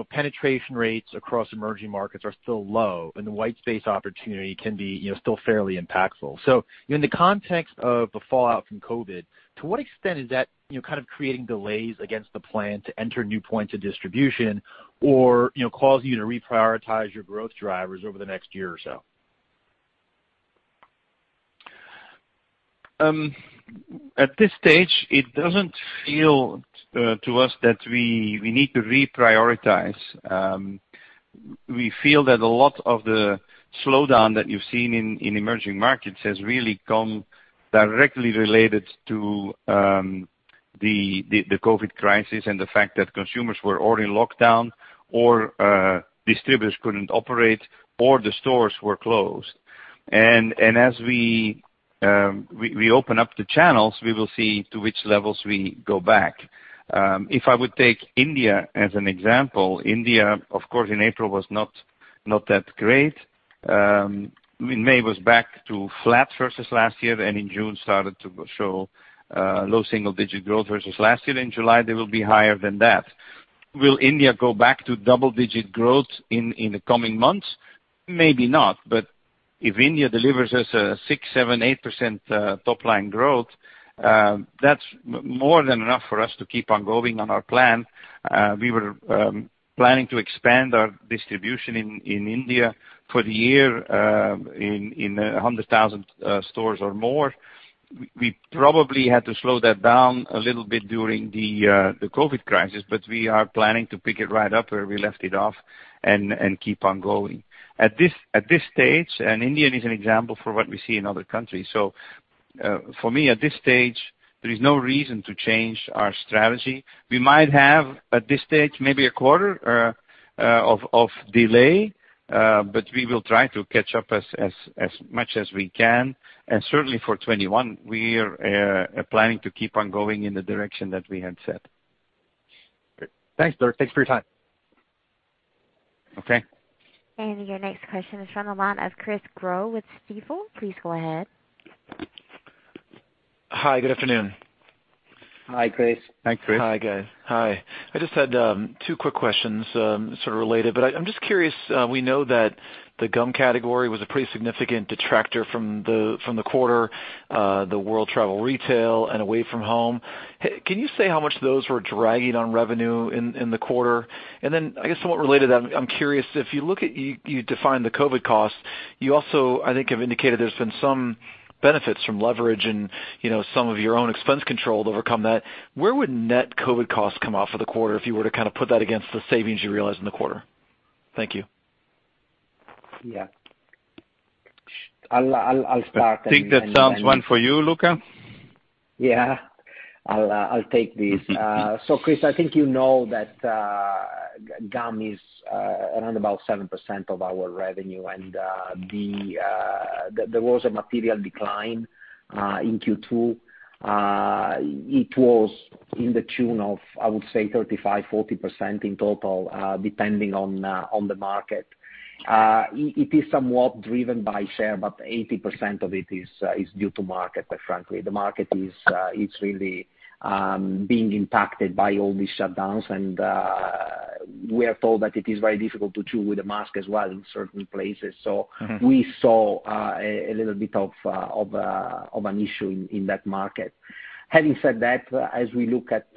penetration rates across emerging markets are still low, and the white space opportunity can be still fairly impactful. In the context of the fallout from COVID, to what extent is that creating delays against the plan to enter new points of distribution or causing you to reprioritize your growth drivers over the next year or so? At this stage, it doesn't feel to us that we need to reprioritize. We feel that a lot of the slowdown that you've seen in emerging markets has really come directly related to the COVID crisis and the fact that consumers were already locked down or distributors couldn't operate or the stores were closed. As we open up the channels, we will see to which levels we go back. If I would take India as an example, India, of course, in April was not that great. In May it was back to flat versus last year, and in June started to show low single digit growth versus last year. In July, they will be higher than that. Will India go back to double digit growth in the coming months? Maybe not. If India delivers us a 6%-8% top line growth, that's more than enough for us to keep on going on our plan. We were planning to expand our distribution in India for the year in 100,000 stores or more. We probably had to slow that down a little bit during the COVID crisis, but we are planning to pick it right up where we left it off and keep on going. At this stage, and India is an example for what we see in other countries. For me, at this stage, there is no reason to change our strategy. We might have, at this stage, maybe a quarter of delay, but we will try to catch up as much as we can. Certainly for 2021, we are planning to keep on going in the direction that we had set. Great. Thanks, Dirk. Thanks for your time. Okay. Your next question is from the line of Chris Growe with Stifel. Please go ahead. Hi, good afternoon. Hi, Chris. Hi, Chris. Hi, guys. Hi. I just had two quick questions, sort of related. I'm just curious, we know that the gum category was a pretty significant detractor from the quarter, the world travel retail and away from home. Can you say how much those were dragging on revenue in the quarter? I guess somewhat related to that, I'm curious, if you define the COVID cost, you also, I think, have indicated there's been some benefits from leverage and some of your own expense control to overcome that. Where would net COVID costs come off for the quarter if you were to put that against the savings you realized in the quarter? Thank you. Yeah. I'll start. I think that sounds one for you, Luca. Yeah. I'll take this. Chris, I think you know that gum is around about 7% of our revenue, and there was a material decline in Q2. It was in the tune of, I would say 35%-40% in total, depending on the market. It is somewhat driven by share, but 80% of it is due to market, quite frankly. The market is really being impacted by all these shutdowns, and we are told that it is very difficult to chew with a mask as well in certain places. We saw a little bit of an issue in that market. Having said that, as we look at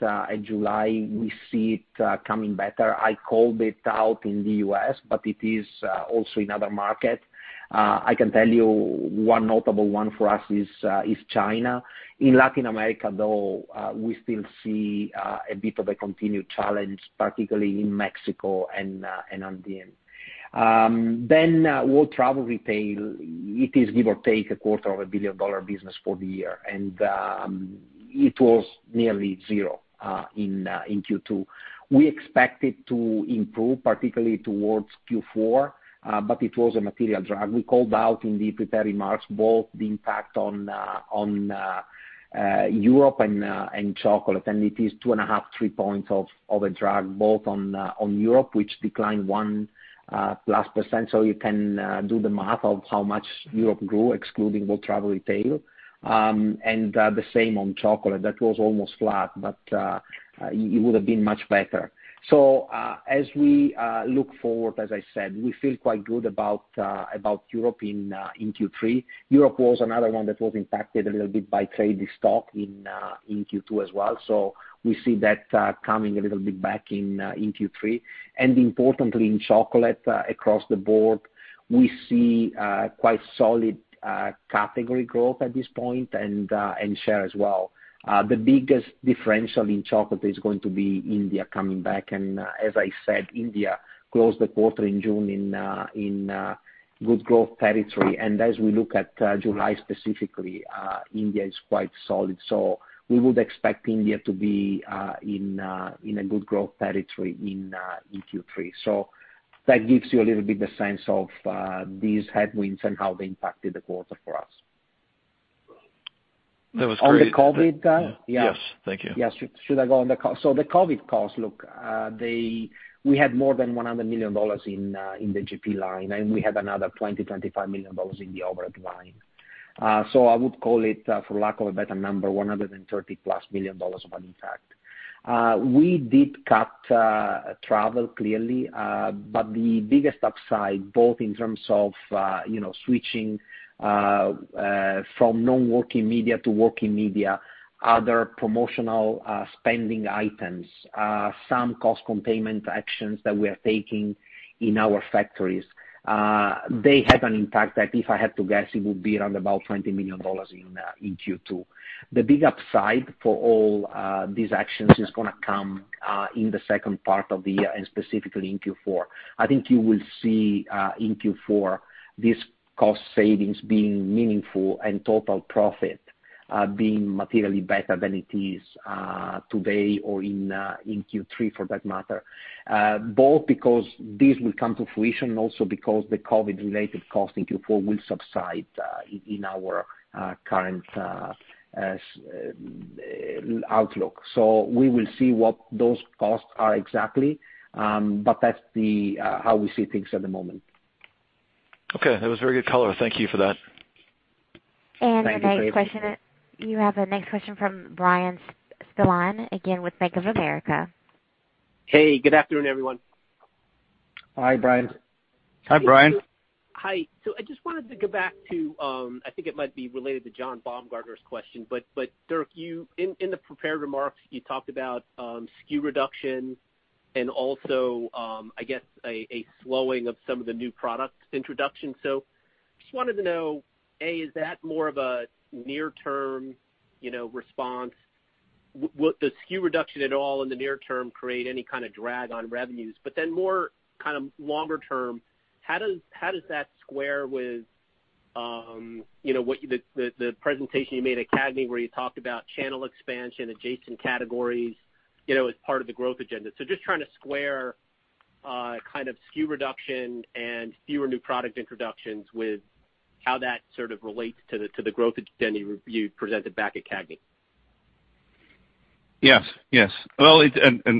July, we see it coming back better. I called it out in the U.S., but it is also in other markets. I can tell you one notable one for us is China. In Latin America, though, we still see a bit of a continued challenge, particularly in Mexico and Andean. World travel retail, it is give or take a quarter of a billion-dollar business for the year, and it was nearly zero in Q2. We expect it to improve, particularly towards Q4, but it was a material drag. We called out in the prepared remarks both the impact on Europe and chocolate, and it is 2.5-3 points of a drag both on Europe, which declined 1%+, so you can do the math of how much Europe grew, excluding world travel retail. The same on chocolate. That was almost flat, but it would've been much better. As we look forward, as I said, we feel quite good about Europe in Q3. Europe was another one that was impacted a little bit by trade stock in Q2 as well. We see that coming a little bit back in Q3. Importantly, in chocolate, across the board, we see quite solid category growth at this point, and share as well. The biggest differential in chocolate is going to be India coming back, and as I said, India closed the quarter in June in good growth territory. as we look at July specifically, India is quite solid. we would expect India to be in a good growth territory in Q3. that gives you a little bit the sense of these headwinds and how they impacted the quarter for us. That was great. On the COVID-19 Yes. Thank you. Yes. Should I go on the cost? The COVID costs, look, we had more than $100 million in the GP line, and we had another $20, $25 million in the overhead line. I would call it, for lack of a better number, $130+ million of an impact. We did cut travel clearly, but the biggest upside, both in terms of switching from non-working media to working media, other promotional spending items, some cost containment actions that we are taking in our factories. They had an impact that if I had to guess, it would be around about $20 million in Q2. The big upside for all these actions is going to come in the second part of the year, and specifically in Q4. I think you will see in Q4 these cost savings being meaningful and total profit being materially better than it is today or in Q3 for that matter. Both because this will come to fruition, and also because the COVID-related cost in Q4 will subside in our current outlook. we will see what those costs are exactly, but that's how we see things at the moment. Okay. That was a very good color. Thank you for that. Thank you. The next question. You have a next question from Bryan Spillane, again, with Bank of America. Hey, good afternoon, everyone. Hi, Bryan. Hi, Bryan. Hi. I just wanted to go back to, I think it might be related to John Baumgartner's question, but Dirk, in the prepared remarks, you talked about SKU reduction and also I guess a slowing of some of the new product introductions. Just wanted to know, A, is that more of a near-term response? Will the SKU reduction at all in the near term create any kind of drag on revenues? More longer term, how does that square with the presentation you made at CAGNY where you talked about channel expansion, adjacent categories as part of the growth agenda? Just trying to square SKU reduction and fewer new product introductions with how that sort of relates to the growth agenda you presented back at CAGNY. Yes. Well, in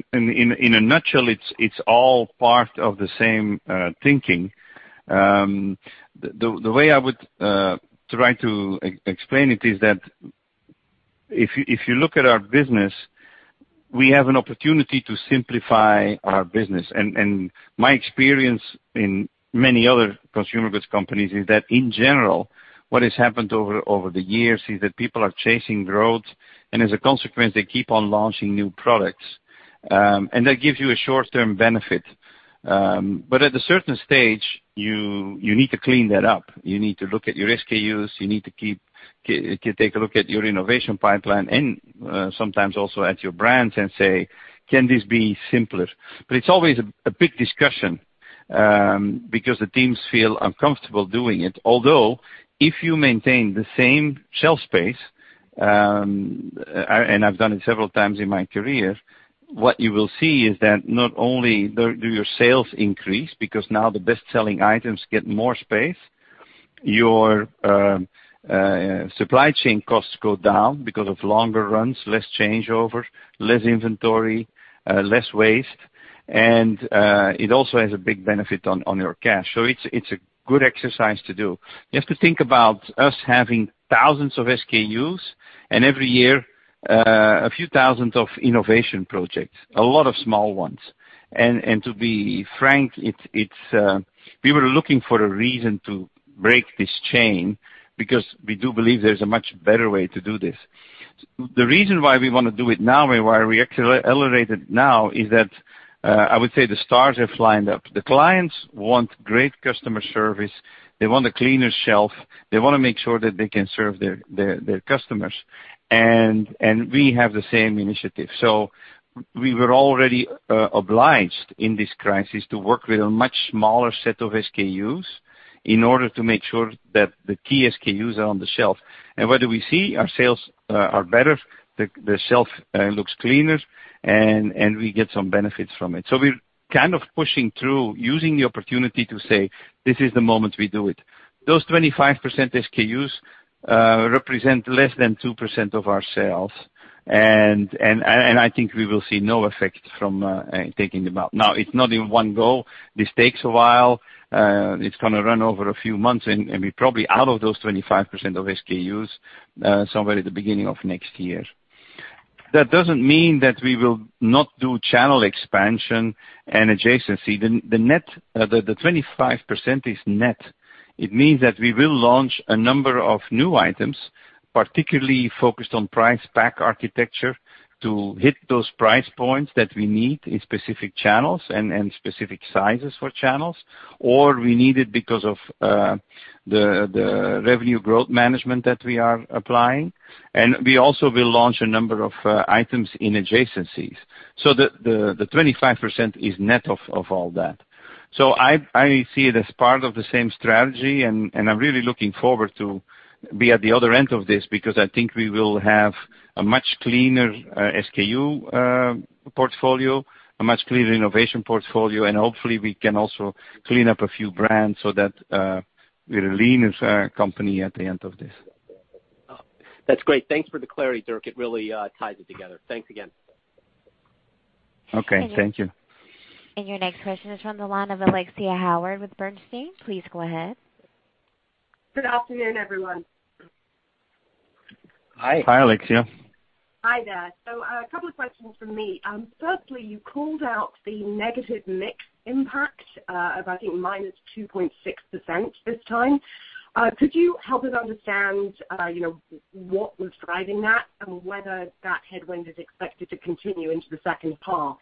a nutshell, it's all part of the same thinking. The way I would try to explain it is that if you look at our business, we have an opportunity to simplify our business, and my experience in many other consumer goods companies is that in general, what has happened over the years is that people are chasing growth, and as a consequence, they keep on launching new products. That gives you a short-term benefit. At a certain stage, you need to clean that up. You need to look at your SKUs, you need to take a look at your innovation pipeline and sometimes also at your brands and say, "Can this be simpler?" It's always a big discussion. Because the teams feel uncomfortable doing it. Although if you maintain the same shelf space, and I've done it several times in my career, what you will see is that not only do your sales increase because now the best-selling items get more space, your supply chain costs go down because of longer runs, less changeovers, less inventory, less waste, and it also has a big benefit on your cash. It's a good exercise to do. You have to think about us having thousands of SKUs and every year, a few thousand innovation projects, a lot of small ones. To be frank, we were looking for a reason to break this chain because we do believe there's a much better way to do this. The reason why we want to do it now and why we accelerated now is that, I would say the stars have lined up. The clients want great customer service. They want a cleaner shelf. They want to make sure that they can serve their customers. We have the same initiative. We were already obliged in this crisis to work with a much smaller set of SKUs in order to make sure that the key SKUs are on the shelf. What do we see? Our sales are better, the shelf looks cleaner, and we get some benefits from it. We're kind of pushing through using the opportunity to say, "This is the moment we do it." Those 25% SKUs represent less than 2% of our sales, and I think we will see no effect from taking them out. Now, it's not in one go. This takes a while. It's going to run over a few months, and be probably out of those 25% of SKUs somewhere at the beginning of next year. That doesn't mean that we will not do channel expansion and adjacency. The 25% is net. It means that we will launch a number of new items, particularly focused on price pack architecture, to hit those price points that we need in specific channels and specific sizes for channels, or we need it because of the revenue growth management that we are applying. We also will launch a number of items in adjacencies. The 25% is net of all that. I see it as part of the same strategy, and I'm really looking forward to be at the other end of this, because I think we will have a much cleaner SKU portfolio, a much cleaner innovation portfolio, and hopefully we can also clean up a few brands so that we're a leaner company at the end of this. That's great. Thanks for the clarity, Dirk. It really ties it together. Thanks again. Okay. Thank you. Your next question is from the line of Alexia Howard with Bernstein. Please go ahead. Good afternoon, everyone. Hi. Hi, Alexia. Hi there. A couple of questions from me. Firstly, you called out the negative mix impact of, I think, minus 2.6% this time. Could you help us understand what was driving that and whether that headwind is expected to continue into the second half?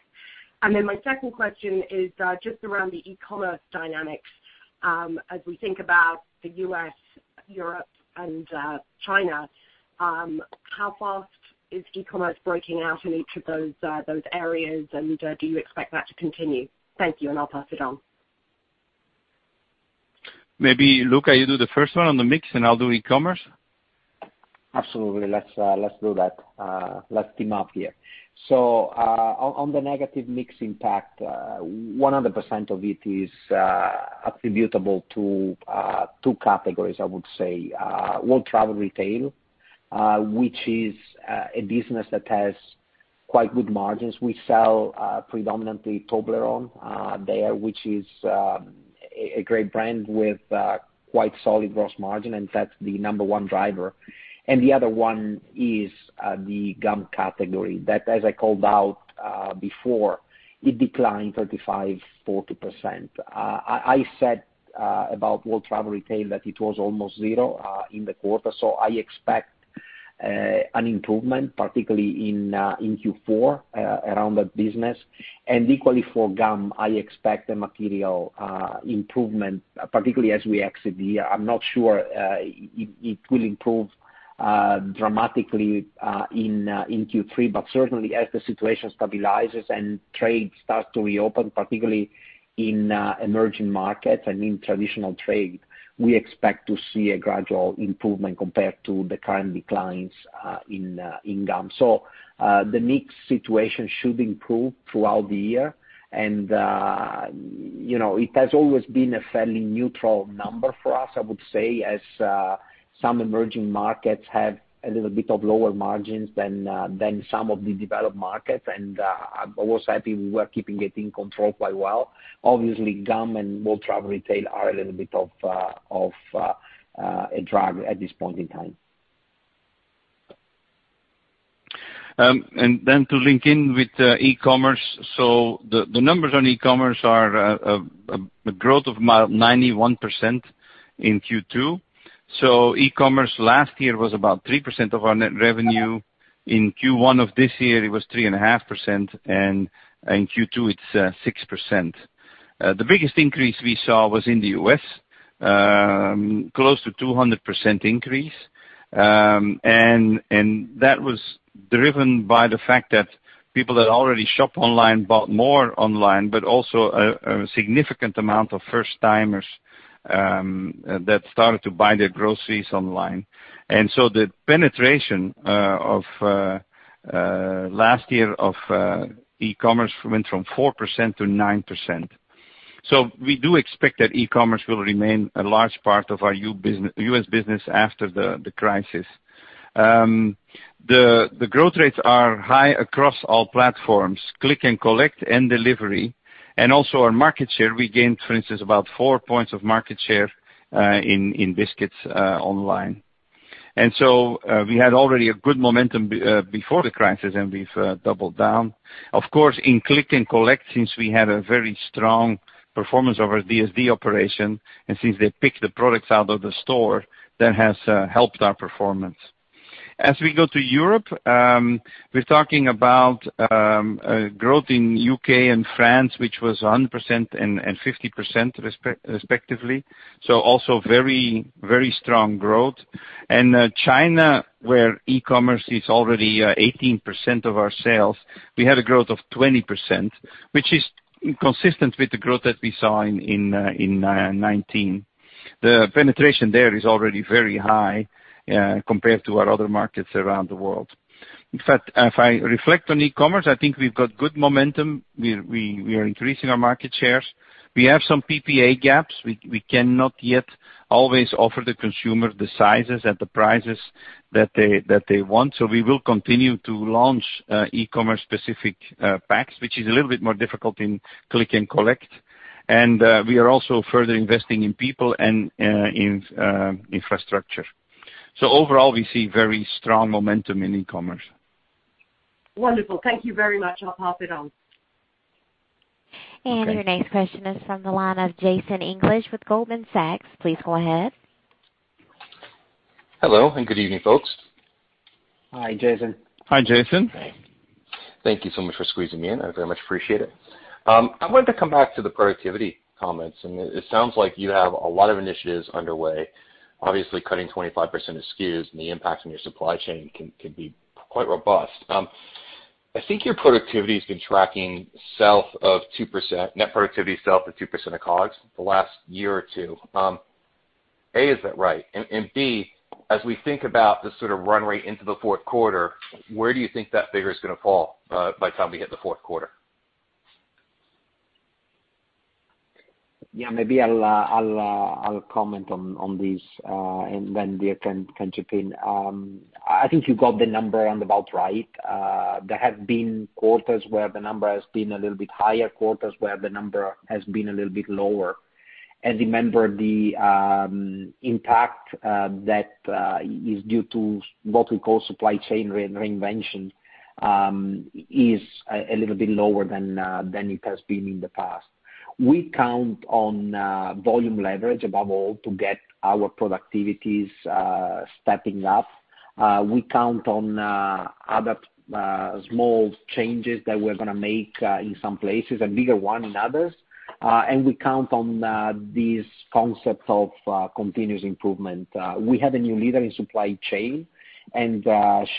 My second question is just around the e-commerce dynamics. As we think about the U.S., Europe, and China, how fast is e-commerce breaking out in each of those areas, and do you expect that to continue? Thank you, and I'll pass it on. Maybe Luca, you do the first one on the mix, and I'll do e-commerce. Absolutely. Let's do that. Let's team up here. On the negative mix impact, 100% of it is attributable to two categories, I would say, world travel retail which is a business that has quite good margins. We sell predominantly Toblerone there, which is a great brand with quite solid gross margin, and that's the number one driver. The other one is the gum category that, as I called out before, it declined 35%, 40%. I said about world travel retail that it was almost zero in the quarter. I expect an improvement, particularly in Q4 around that business. Equally for gum, I expect a material improvement, particularly as we exit the year. I'm not sure it will improve dramatically in Q3, but certainly as the situation stabilizes and trade starts to reopen, particularly in emerging markets and in traditional trade, we expect to see a gradual improvement compared to the current declines in gum. The mix situation should improve throughout the year. It has always been a fairly neutral number for us, I would say, as some emerging markets have a little bit of lower margins than some of the developed markets, and I've always said we were keeping it in control quite well. Obviously, gum and world travel retail are a little bit of a drag at this point in time. To link in with e-commerce. The numbers on e-commerce are a growth of about 91% in Q2. E-commerce last year was about 3% of our net revenue. In Q1 of this year, it was 3.5%, and in Q2 it's 6%. The biggest increase we saw was in the U.S., close to 200% increase. That was driven by the fact that people that already shop online bought more online, but also a significant amount of first-timers that started to buy their groceries online. The penetration last year of e-commerce went from 4% to 9%. We do expect that e-commerce will remain a large part of our U.S. business after the crisis. The growth rates are high across all platforms, click and collect, and delivery. Also our market share, we gained, for instance, about four points of market share in biscuits online. We had already a good momentum before the crisis, and we've doubled down. Of course, in click and collect, since we had a very strong performance of our DSD operation, and since they picked the products out of the store, that has helped our performance. As we go to Europe, we're talking about growth in U.K. and France, which was 100% and 50%, respectively. also very strong growth. China, where e-commerce is already 18% of our sales, we had a growth of 20%, which is consistent with the growth that we saw in 2019. The penetration there is already very high compared to our other markets around the world. In fact, if I reflect on e-commerce, I think we've got good momentum. We are increasing our market shares. We have some PPA gaps. We cannot yet always offer the consumer the sizes at the prices that they want. we will continue to launch e-commerce specific packs, which is a little bit more difficult in click and collect. we are also further investing in people and in infrastructure. overall, we see very strong momentum in e-commerce. Wonderful. Thank you very much. I'll pop it on. Your next question is from the line of Jason English with Goldman Sachs. Please go ahead. Hello, and good evening, folks. Hi, Jason. Hi, Jason. Thank you so much for squeezing me in. I very much appreciate it. I wanted to come back to the productivity comments, and it sounds like you have a lot of initiatives underway. Obviously, cutting 25% of SKUs and the impact on your supply chain can be quite robust. I think your productivity has been tracking south of 2%, net productivity south of 2% of COGS the last year or two. A, is that right? B, as we think about the sort of run rate into the fourth quarter, where do you think that figure is going to fall by the time we hit the fourth quarter? Yeah, maybe I'll comment on this, and then we can chip in. I think you got the number round about right. There have been quarters where the number has been a little bit higher, quarters where the number has been a little bit lower. Remember, the impact that is due to what we call supply chain reinvention, is a little bit lower than it has been in the past. We count on volume leverage above all to get our productivities stepping up. We count on other small changes that we're going to make in some places and bigger one in others. We count on these concepts of continuous improvement. We have a new leader in supply chain, and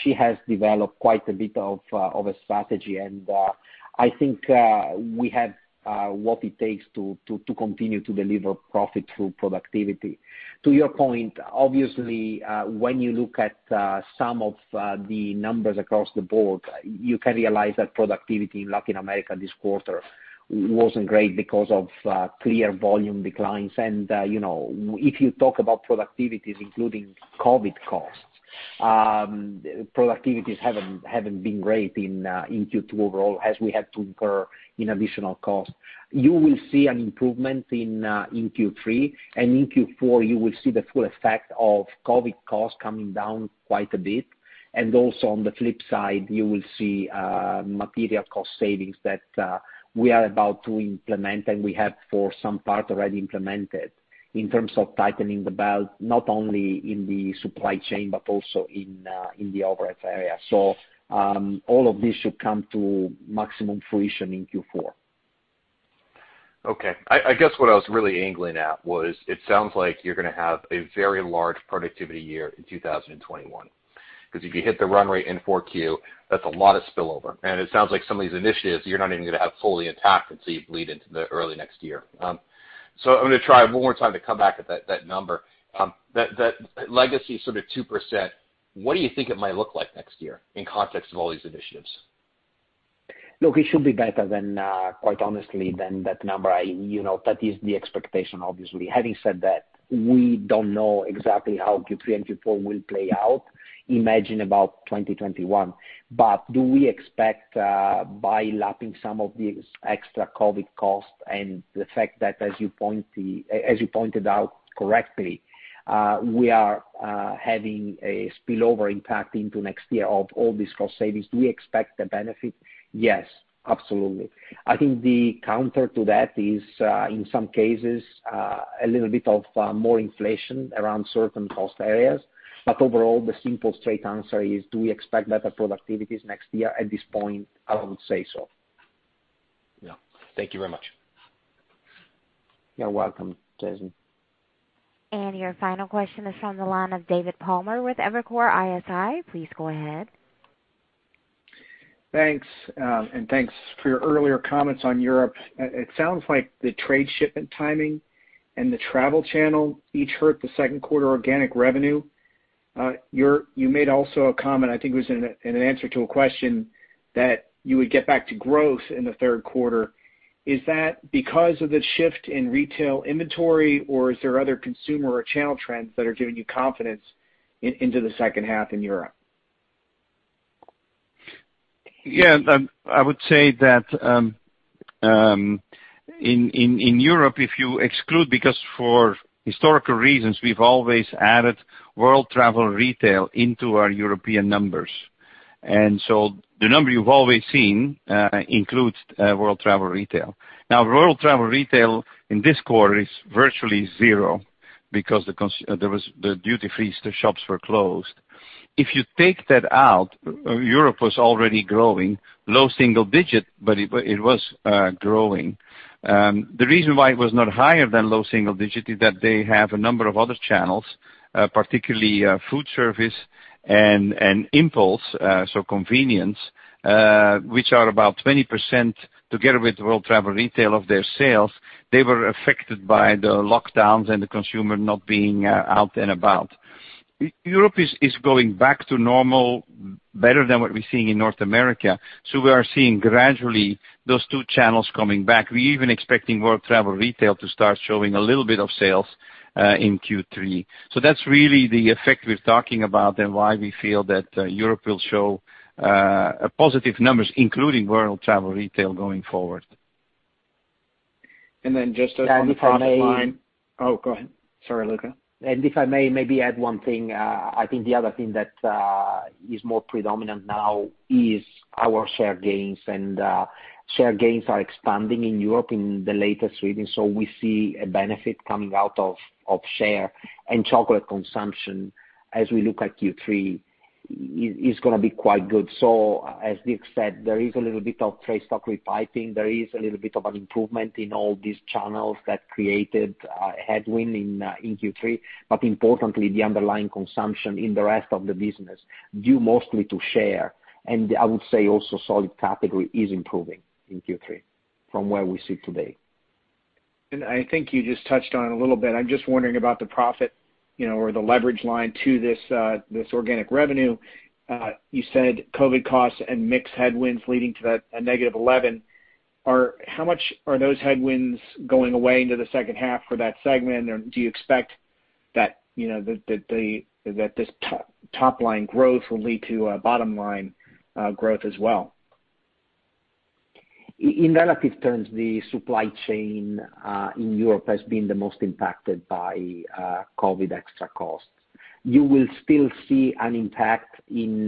she has developed quite a bit of a strategy. I think we have what it takes to continue to deliver profit through productivity. To your point, obviously, when you look at some of the numbers across the board, you can realize that productivity in Latin America this quarter wasn't great because of clear volume declines. If you talk about productivities including COVID costs, productivities haven't been great in Q2 overall as we had to incur in additional costs. You will see an improvement in Q3, and in Q4, you will see the full effect of COVID costs coming down quite a bit. Also on the flip side, you will see material cost savings that we are about to implement, and we have for some part already implemented in terms of tightening the belt, not only in the supply chain, but also in the overhead area. All of this should come to maximum fruition in Q4. Okay. I guess what I was really angling at was it sounds like you're going to have a very large productivity year in 2021, because if you hit the run rate in 4Q, that's a lot of spillover. It sounds like some of these initiatives, you're not even going to have fully attacked until you bleed into the early next year. I'm going to try one more time to come back at that number. That legacy sort of 2%, what do you think it might look like next year in context of all these initiatives? Look, it should be better than, quite honestly, than that number. That is the expectation, obviously. Having said that, we don't know exactly how Q3 and Q4 will play out, imagine about 2021. Do we expect by lapping some of these extra COVID costs and the fact that, as you pointed out correctly, we are having a spillover impact into next year of all these cost savings. Do we expect the benefit? Yes, absolutely. I think the counter to that is, in some cases, a little bit of more inflation around certain cost areas. Overall, the simple straight answer is do we expect better productivities next year? At this point, I would say so. Yeah. Thank you very much. You're welcome, Jason. Your final question is from the line of David Palmer with Evercore ISI. Please go ahead. Thanks. Thanks for your earlier comments on Europe. It sounds like the trade shipment timing and the travel channel each hurt the second quarter organic revenue. You made also a comment, I think it was in an answer to a question, that you would get back to growth in the third quarter. Is that because of the shift in retail inventory, or is there other consumer or channel trends that are giving you confidence into the second half in Europe? Yeah, I would say that in Europe, if you exclude, because for historical reasons, we've always added world travel retail into our European numbers. The number you've always seen includes world travel retail. Now, world travel retail in this quarter is virtually zero because the duty-free shops were closed. If you take that out, Europe was already growing, low single digit, but it was growing. The reason why it was not higher than low single digit is that they have a number of other channels, particularly food service and impulse, so convenience, which are about 20% together with world travel retail of their sales. They were affected by the lockdowns and the consumer not being out and about. Europe is going back to normal better than what we're seeing in North America. We are seeing gradually those two channels coming back. We're even expecting world travel retail to start showing a little bit of sales in Q3. That's really the effect we're talking about and why we feel that Europe will show positive numbers, including world travel retail, going forward. Just on the profit line- If I may- Oh, go ahead. Sorry, Luca. If I may maybe add one thing, I think the other thing that is more predominant now is our share gains, and share gains are expanding in Europe in the latest reading. We see a benefit coming out of share, and chocolate consumption as we look at Q3, is going to be quite good. As Dirk said, there is a little bit of trade stock repiping. There is a little bit of an improvement in all these channels that created a headwind in Q3, but importantly, the underlying consumption in the rest of the business, due mostly to share, and I would say also solid category, is improving in Q3 from where we sit today. I think you just touched on it a little bit. I'm just wondering about the profit or the leverage line to this organic revenue. You said COVID costs and mix headwinds leading to that negative 11. How much are those headwinds going away into the second half for that segment? Do you expect that this top-line growth will lead to a bottom-line growth as well? In relative terms, the supply chain in Europe has been the most impacted by COVID extra costs. You will still see an impact in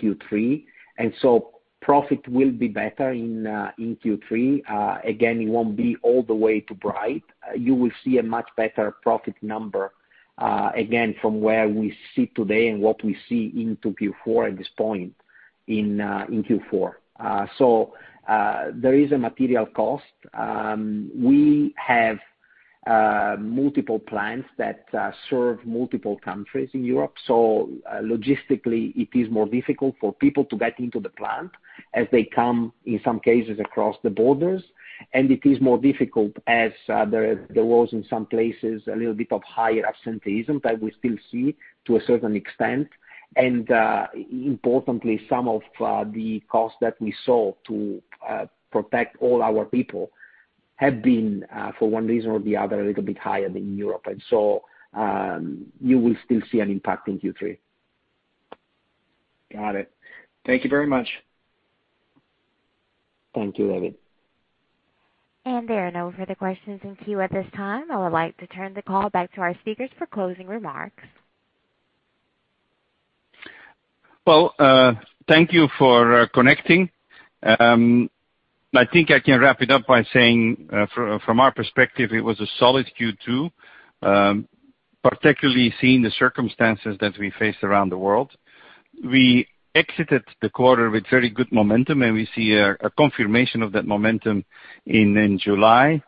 Q3, and so profit will be better in Q3. Again, it won't be all the way to bright. You will see a much better profit number, again, from where we sit today and what we see into Q4 at this point in Q4. There is a material cost. We have multiple plants that serve multiple countries in Europe, so logistically, it is more difficult for people to get into the plant as they come, in some cases, across the borders, and it is more difficult as there was in some places a little bit of higher absenteeism that we still see to a certain extent. Importantly, some of the costs that we saw to protect all our people have been, for one reason or the other, a little bit higher than in Europe. You will still see an impact in Q3. Got it. Thank you very much. Thank you, David. There are no further questions in queue at this time. I would like to turn the call back to our speakers for closing remarks. Well, thank you for connecting. I think I can wrap it up by saying, from our perspective, it was a solid Q2, particularly seeing the circumstances that we face around the world. We exited the quarter with very good momentum, and we see a confirmation of that momentum in July.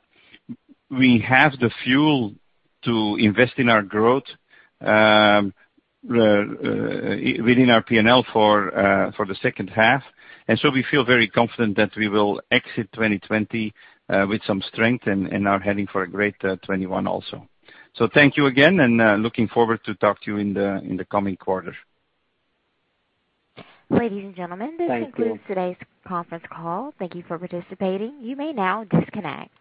We have the fuel to invest in our growth within our P&L for the second half, and so we feel very confident that we will exit 2020 with some strength and are heading for a great 2021 also. Thank you again, and looking forward to talk to you in the coming quarter. Ladies and gentlemen. This concludes today's conference call. Thank you for participating. You may now disconnect.